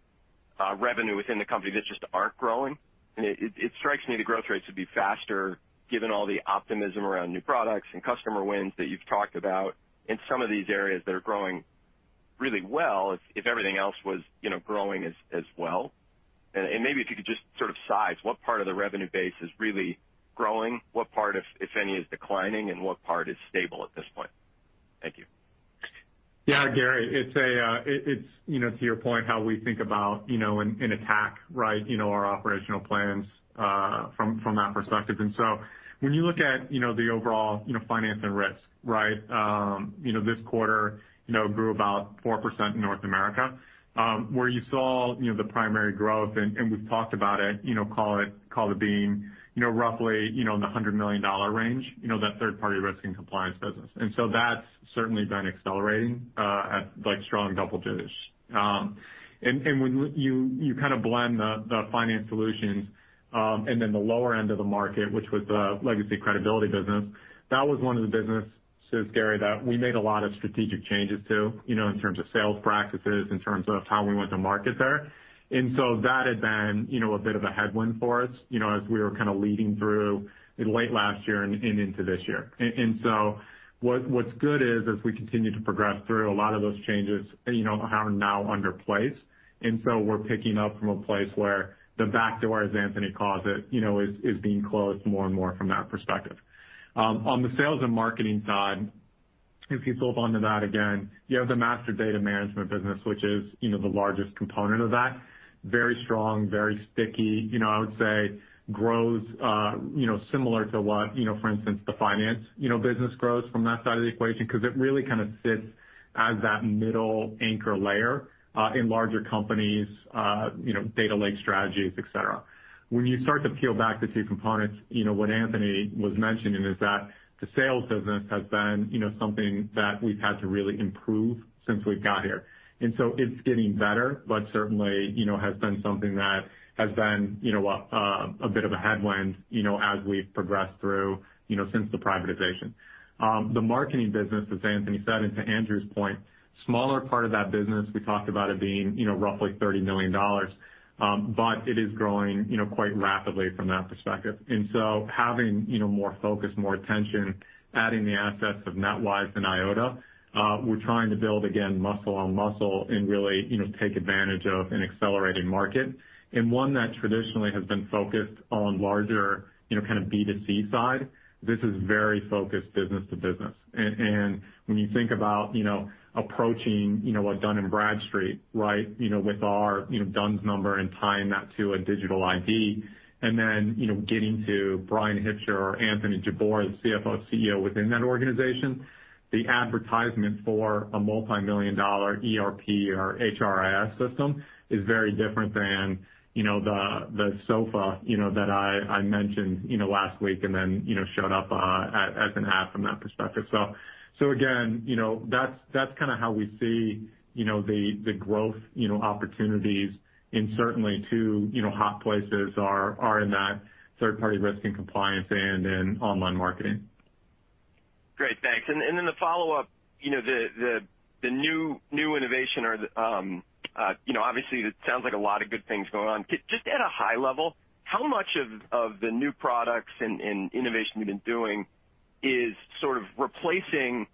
revenue within the company that just aren't growing? It strikes me the growth rates would be faster given all the optimism around new products and customer wins that you've talked about in some of these areas that are growing really well, if everything else was, you know, growing as well. Maybe if you could just sort of size what part of the revenue base is really growing, what part, if any, is declining, and what part is stable at this point. Thank you. Yeah, Gary, it's you know, to your point, how we think about, you know, and attack, right, you know, our operational plans from that perspective. When you look at, you know, the overall, you know, Finance and Risk, right? You know, this quarter, you know, grew about 4% in North America, where you saw, you know, the primary growth, and we've talked about it, you know, call it being, you know, roughly, you know, in the $100 million range, you know, that third-party risk and compliance business. That's certainly been accelerating at like strong double digits. When you kinda blend the finance solutions and then the lower end of the market, which was the legacy credibility business, that was one of the businesses, Gary, that we made a lot of strategic changes to, you know, in terms of sales practices, in terms of how we went to market there. That had been, you know, a bit of a headwind for us, you know, as we were kinda leading through late last year and into this year. What's good is, as we continue to progress through, a lot of those changes, you know, are now in place. We're picking up from a place where the back door, as Anthony calls it, you know, is being closed more and more from that perspective. On the sales and marketing side, if you build onto that again, you have the master data management business, which is, you know, the largest component of that. Very strong, very sticky. You know, I would say grows, you know, similar to what, you know, for instance, the finance, you know, business grows from that side of the equation 'cause it really kinda sits as that middle anchor layer, in larger companies', you know, data lake strategies, et cetera. When you start to peel back the two components, you know, what Anthony was mentioning is that the sales business has been, you know, something that we've had to really improve since we've got here. It's getting better, but certainly, you know, it has been a bit of a headwind, you know, as we've progressed through, you know, since the privatization. The marketing business, as Anthony said, and to Andrew's point, smaller part of that business, we talked about it being, you know, roughly $30 million, but it is growing, you know, quite rapidly from that perspective. Having, you know, more focus, more attention, adding the assets of NetWise and Eyeota, we're trying to build, again, muscle on muscle and really, you know, take advantage of an accelerating market. One that traditionally has been focused on larger, you know, kind of B2C side. This is very focused business to business. when you think about, you know, approaching, you know, a Dun & Bradstreet, right, you know, with our, you know, D-U-N-S number and tying that to a digital ID, and then, you know, getting to Bryan Hipsher or Anthony Jabbour, the CFO, CEO within that organization. The advertisement for a multimillion-dollar ERP or HRIS system is very different than, you know, the sofa, you know, that I mentioned, you know, last week and then, you know, showed up at NAF from that perspective. Again, you know, that's kinda how we see, you know, the growth, you know, opportunities and certainly too, you know, hot places are in that third-party risk and compliance and in online marketing. Great, thanks. The follow-up, you know, the new innovation or, you know, obviously it sounds like a lot of good things going on. Just at a high level, how much of the new products and innovation you've been doing is sort of replacing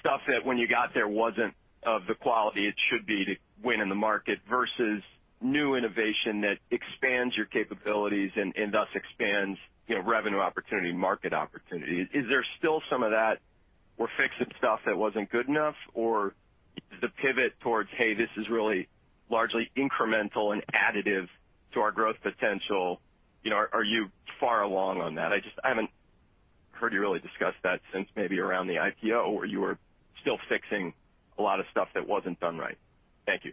stuff that when you got there wasn't of the quality it should be to win in the market versus new innovation that expands your capabilities and thus expands, you know, revenue opportunity and market opportunity? Is there still some of that we're fixing stuff that wasn't good enough or the pivot towards, hey, this is really largely incremental and additive to our growth potential? You know, are you far along on that? I haven't heard you really discuss that since maybe around the IPO, where you were still fixing a lot of stuff that wasn't done right. Thank you.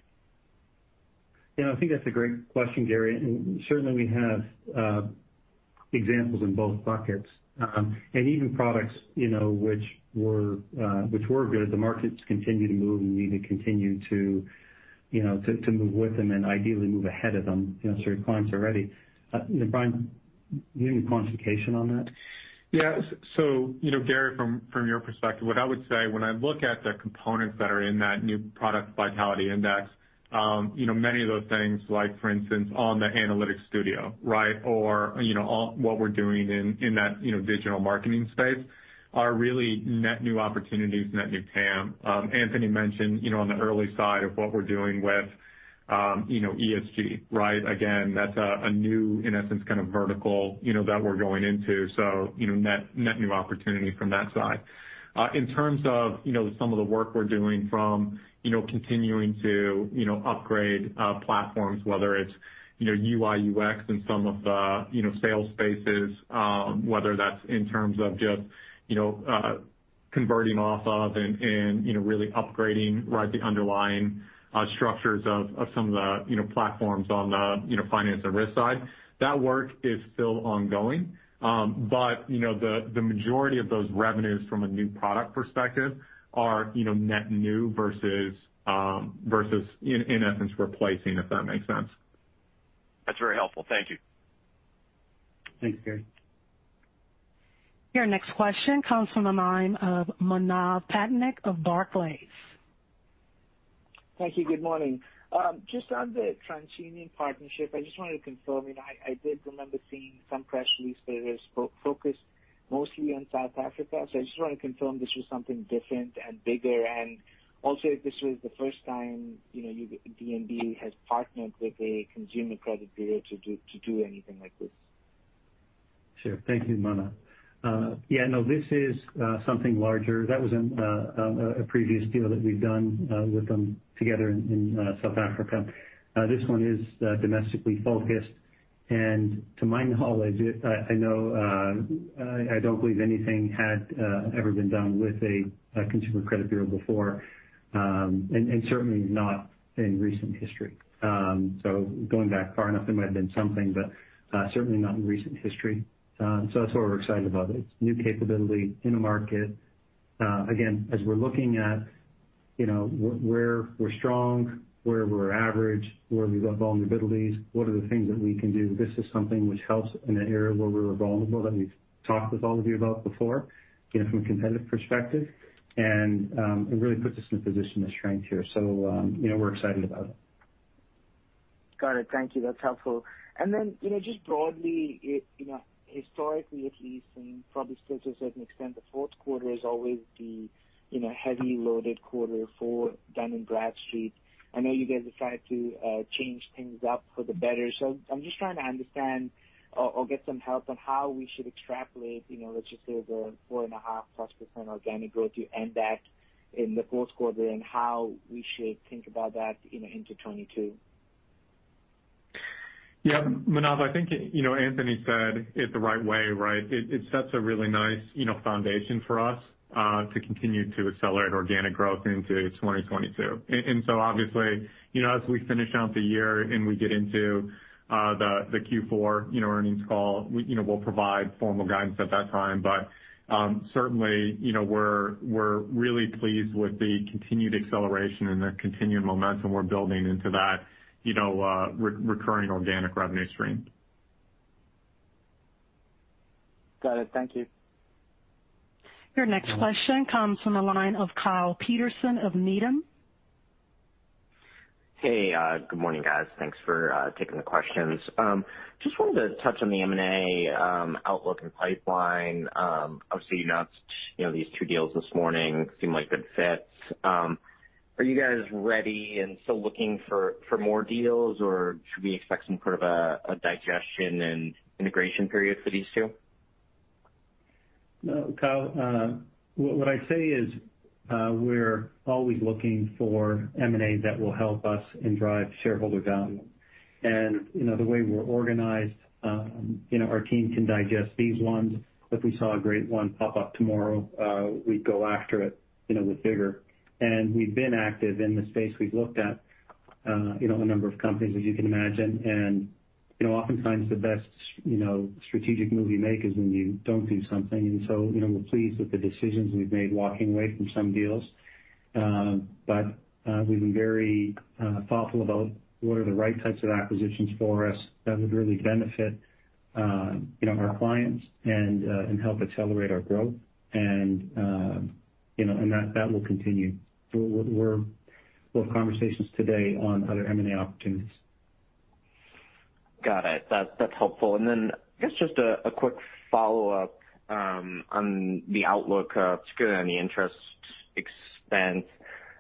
You know, I think that's a great question, Gary. Certainly we have examples in both buckets, and even products, you know, which were good. The markets continue to move and we need to continue to move with them and ideally move ahead of them, you know, certain clients already. You know, Bryan, do you have any quantification on that? Yeah. You know, Gary, from your perspective, what I would say when I look at the components that are in that new product vitality index, you know, many of those things like for instance on the Analytics Studio, right? Or, you know, on what we're doing in that digital marketing space are really net new opportunities, net new TAM. Anthony mentioned, you know, on the early side of what we're doing with ESG, right? Again, that's a new, in essence, kind of vertical, you know, that we're going into. You know, net new opportunity from that side. In terms of, you know, some of the work we're doing from, you know, continuing to, you know, upgrade platforms, whether it's, you know, UI/UX in some of the, you know, sales spaces, whether that's in terms of just, you know, converting off of and really upgrading, right, the underlying structures of some of the, you know, platforms on the, you know, finance and risk side, that work is still ongoing. The majority of those revenues from a new product perspective are, you know, net new versus in essence replacing, if that makes sense. That's very helpful. Thank you. Thanks, Gary. Your next question comes from the line of Manav Patnaik of Barclays. Thank you. Good morning. Just on the TransUnion partnership, I just wanted to confirm, you know, I did remember seeing some press release that it is focused mostly on South Africa. So I just want to confirm this was something different and bigger. Also, if this was the first time, you know, D&B has partnered with a consumer credit bureau to do anything like this. Sure. Thank you, Manav. Yeah, no, this is something larger. That was in a previous deal that we've done with them together in South Africa. This one is domestically focused. To my knowledge, I know I don't believe anything had ever been done with a consumer credit bureau before, and certainly not in recent history. Going back far enough, there might have been something, but certainly not in recent history. That's why we're excited about it. It's new capability in the market. Again, as we're looking at, you know, where we're strong, where we're average, where we've got vulnerabilities, what are the things that we can do? This is something which helps in an area where we were vulnerable that we've talked with all of you about before, you know, from a competitive perspective. It really puts us in a position of strength here. You know, we're excited about it. Got it. Thank you. That's helpful. Then, you know, just broadly, it, you know, historically at least and probably still to a certain extent, the fourth quarter is always the, you know, heavy loaded quarter for Dun & Bradstreet. I know you guys have tried to change things up for the better. I'm just trying to understand or get some help on how we should extrapolate, you know, let's just say the 4.5%+ organic growth you end back in the fourth quarter and how we should think about that, you know, into 2022. Yeah. Manav, I think, you know, Anthony said it the right way, right? It sets a really nice, you know, foundation for us to continue to accelerate organic growth into 2022. Obviously, you know, as we finish out the year and we get into the Q4, you know, earnings call, we, you know, we'll provide formal guidance at that time. Certainly, you know, we're really pleased with the continued acceleration and the continued momentum we're building into that, you know, recurring organic revenue stream. Got it. Thank you. Your next question comes from the line of Kyle Peterson of Needham. Hey, good morning, guys. Thanks for taking the questions. Just wanted to touch on the M&A outlook and pipeline. Obviously, you announced, you know, these two deals this morning seem like good fits. Are you guys ready and still looking for more deals, or should we expect some sort of a digestion and integration period for these two? No, Kyle, what I'd say is, we're always looking for M&A that will help us and drive shareholder value. You know, the way we're organized, you know, our team can digest these ones. If we saw a great one pop up tomorrow, we'd go after it, you know, with vigor. We've been active in the space we've looked at. You know, a number of companies, as you can imagine. You know, oftentimes the best, you know, strategic move you make is when you don't do something. You know, we're pleased with the decisions we've made walking away from some deals. We've been very thoughtful about what are the right types of acquisitions for us that would really benefit, you know, our clients and help accelerate our growth. You know, that will continue. We'll have conversations today on other M&A opportunities. Got it. That's helpful. I guess just a quick follow-up on the outlook of securitization and the interest expense.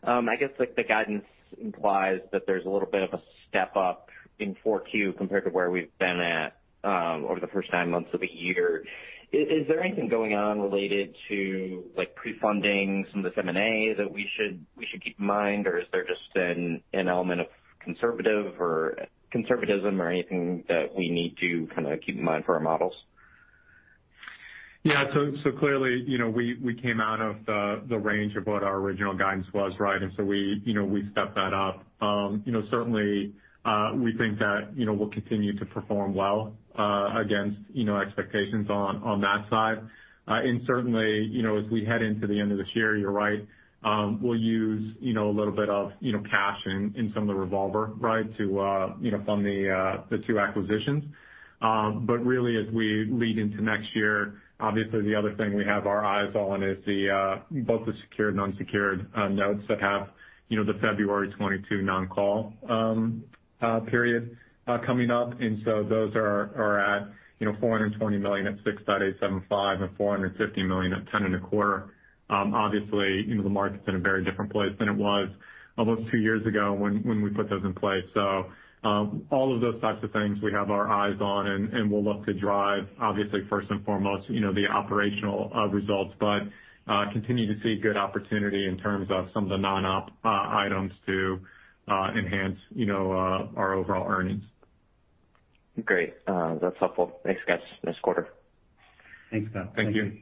I guess, like, the guidance implies that there's a little bit of a step up in 4Q compared to where we've been at over the first 9 months of the year. Is there anything going on related to, like, pre-funding some of this M&A that we should keep in mind? Or is there just an element of conservative or conservatism or anything that we need to kinda keep in mind for our models? Yeah. Clearly, you know, we came out of the range of what our original guidance was, right? We stepped that up. You know, certainly, we think that, you know, we'll continue to perform well against, you know, expectations on that side. Certainly, you know, as we head into the end of this year, you're right, we'll use, you know, a little bit of, you know, cash in some of the revolver, right, to, you know, fund the two acquisitions. Really, as we lead into next year, obviously the other thing we have our eyes on is both the secured and unsecured notes that have, you know, the February 2022 non-call period coming up. Those are at $420 million at 6.875% and $450 million at 10.25%. Obviously, you know, the market's in a very different place than it was almost two years ago when we put those in place. All of those types of things we have our eyes on, and we'll look to drive, obviously, first and foremost, you know, the operational results, but continue to see good opportunity in terms of some of the non-op items to enhance, you know, our overall earnings. Great. That's helpful. Thanks, guys. Nice quarter. Thanks, Kyle Peterson. Thank you.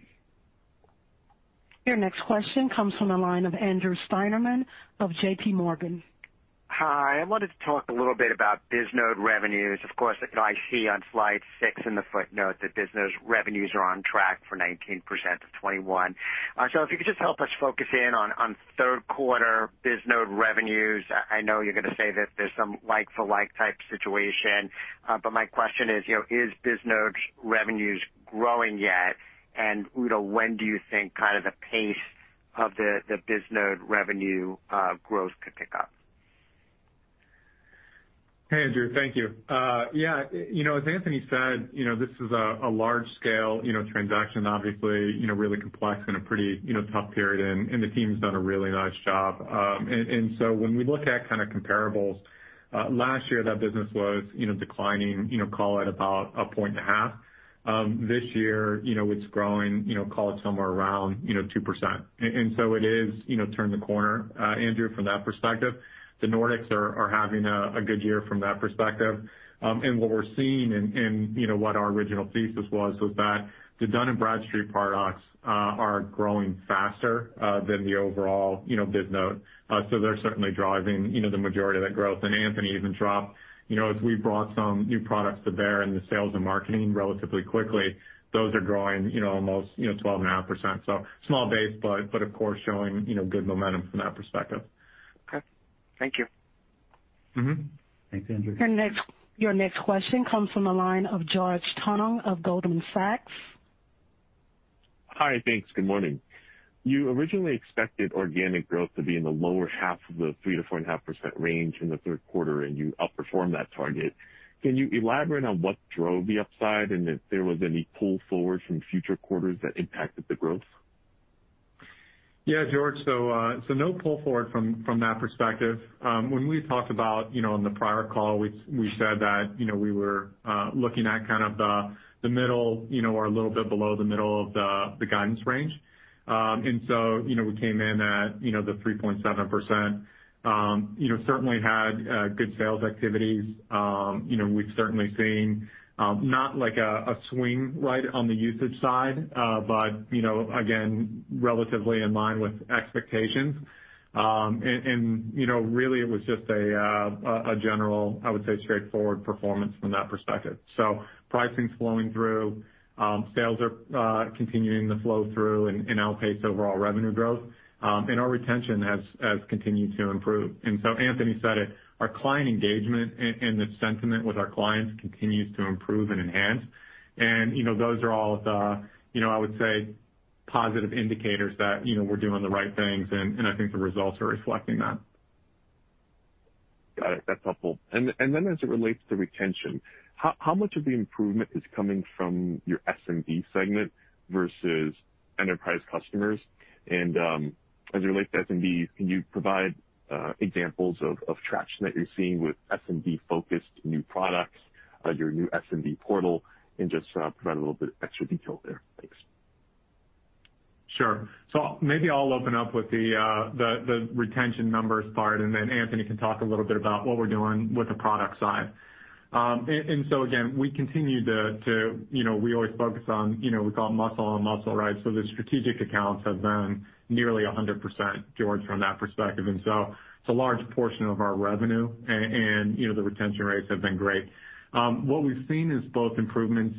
Your next question comes from the line of Andrew Steinerman of J.P. Morgan. Hi. I wanted to talk a little bit about Bisnode revenues. Of course, I see on slide 6 in the footnote that Bisnode's revenues are on track for 19%-21%. So if you could just help us focus in on third quarter Bisnode revenues. I know you're gonna say that there's some like for like type situation. But my question is, you know, is Bisnode's revenues growing yet? Udo, when do you think kind of the pace of the Bisnode revenue growth could pick up? Hey, Andrew. Thank you. Yeah, you know, as Anthony said, you know, this is a large scale, you know, transaction, obviously, you know, really complex and a pretty, you know, tough period. The team's done a really nice job. So when we look at kinda comparables, last year that business was, you know, declining, you know, call it about 1.5%. This year, you know, it's growing, you know, call it somewhere around, you know, 2%. It is, you know, turned the corner, Andrew, from that perspective. The Nordics are having a good year from that perspective. What we're seeing and, you know, what our original thesis was that the Dun & Bradstreet products are growing faster than the overall, you know, Bisnode. They're certainly driving, you know, the majority of that growth. Anthony even dropped, you know, as we brought some new products to bear in the sales and marketing relatively quickly, those are growing, you know, almost 12.5%. Small base, but of course showing, you know, good momentum from that perspective. Okay. Thank you. Mm-hmm. Thanks, Andrew. Next, your next question comes from the line of George Tong of Goldman Sachs. Hi. Thanks. Good morning. You originally expected organic growth to be in the lower half of the 3%-4.5% range in the third quarter, and you outperformed that target. Can you elaborate on what drove the upside and if there was any pull forward from future quarters that impacted the growth? Yeah, George. No pull forward from that perspective. When we talked about, you know, on the prior call, we said that, you know, we were looking at kind of the middle, you know, or a little bit below the middle of the guidance range. You know, we came in at, you know, the 3.7%. You know, certainly had good sales activities. You know, we've certainly seen not like a swing right on the usage side, but, you know, again, relatively in line with expectations. You know, really it was just a general, I would say, straightforward performance from that perspective. Pricing's flowing through. Sales are continuing to flow through and outpace overall revenue growth. Our retention has continued to improve. Anthony said it, our client engagement and the sentiment with our clients continues to improve and enhance. You know, those are all the, you know, I would say, positive indicators that, you know, we're doing the right things, and I think the results are reflecting that. Got it. That's helpful. As it relates to retention, how much of the improvement is coming from your SMB segment versus enterprise customers? As it relates to SMB, can you provide examples of traction that you're seeing with SMB-focused new products, your new SMB portal, and just provide a little bit of extra detail there? Thanks. Maybe I'll open up with the retention numbers part, and then Anthony can talk a little bit about what we're doing with the product side. Again, we continue to, you know, we always focus on, you know, we call muscle on muscle, right? The strategic accounts have been nearly 100%, George, from that perspective. It's a large portion of our revenue and, you know, the retention rates have been great. What we've seen is both improvements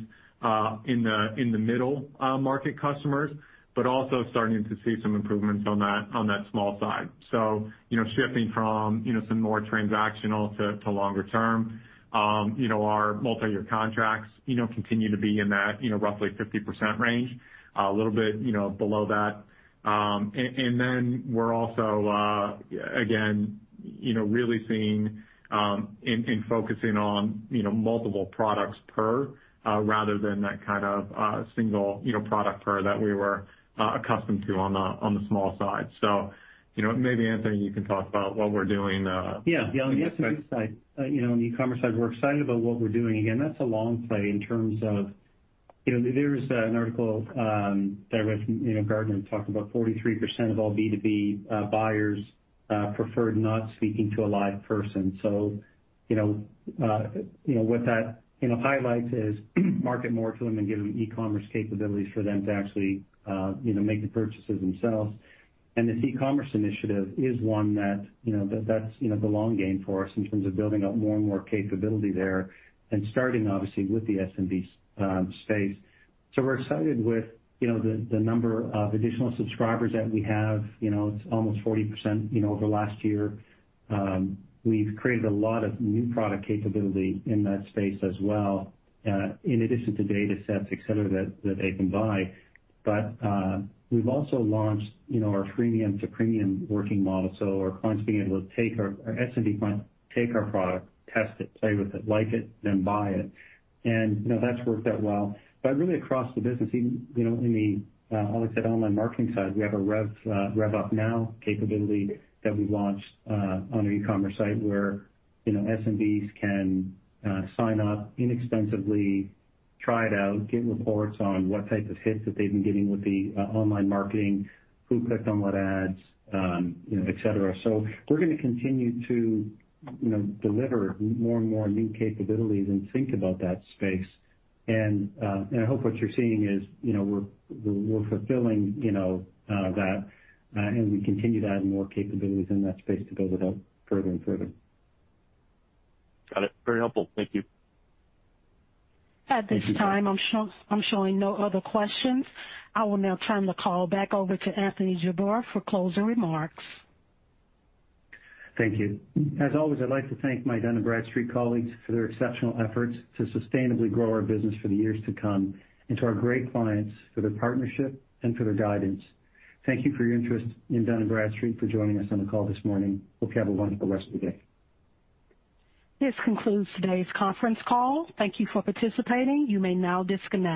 in the middle market customers, but also starting to see some improvements on that small side. You know, shifting from you know some more transactional to longer term, you know, our multi-year contracts you know continue to be in that you know roughly 50% range, a little bit you know below that. We're also again you know really seeing in focusing on you know multiple products per rather than that kind of single you know product per that we were accustomed to on the small side. You know, maybe Anthony, you can talk about what we're doing. Yeah. On the SME side, you know, on the e-commerce side, we're excited about what we're doing. Again, that's a long play in terms of. You know, there's an article that I read from, you know, Gartner talked about 43% of all B2B buyers preferred not speaking to a live person. So, you know, what that, you know, highlights is market more to them and give them e-commerce capabilities for them to actually, you know, make the purchases themselves. This e-commerce initiative is one that, you know, that's, you know, the long game for us in terms of building out more and more capability there and starting obviously with the SMB space. So we're excited with, you know, the number of additional subscribers that we have. You know, it's almost 40% over last year. We've created a lot of new product capability in that space as well, in addition to datasets, et cetera, that they can buy. We've also launched, you know, our freemium to premium working model. Our SMB clients take our product, test it, play with it, like it, then buy it. You know, that's worked out well. Really across the business, even, you know, in the, like I said, online marketing side, we have a RevUp now capability that we've launched, on our e-commerce site where, you know, SMBs can sign up inexpensively, try it out, get reports on what type of hits that they've been getting with the online marketing, who clicked on what ads, you know, et cetera. We're gonna continue to, you know, deliver more and more new capabilities and think about that space. I hope what you're seeing is, you know, we're fulfilling, you know, that, and we continue to add more capabilities in that space to build it out further and further. Got it. Very helpful. Thank you. At this time, I'm showing no other questions. I will now turn the call back over to Anthony Jabbour for closing remarks. Thank you. As always, I'd like to thank my Dun & Bradstreet colleagues for their exceptional efforts to sustainably grow our business for the years to come and to our great clients for their partnership and for their guidance. Thank you for your interest in Dun & Bradstreet and for joining us on the call this morning. I hope you have a wonderful rest of your day. This concludes today's conference call. Thank you for participating. You may now disconnect.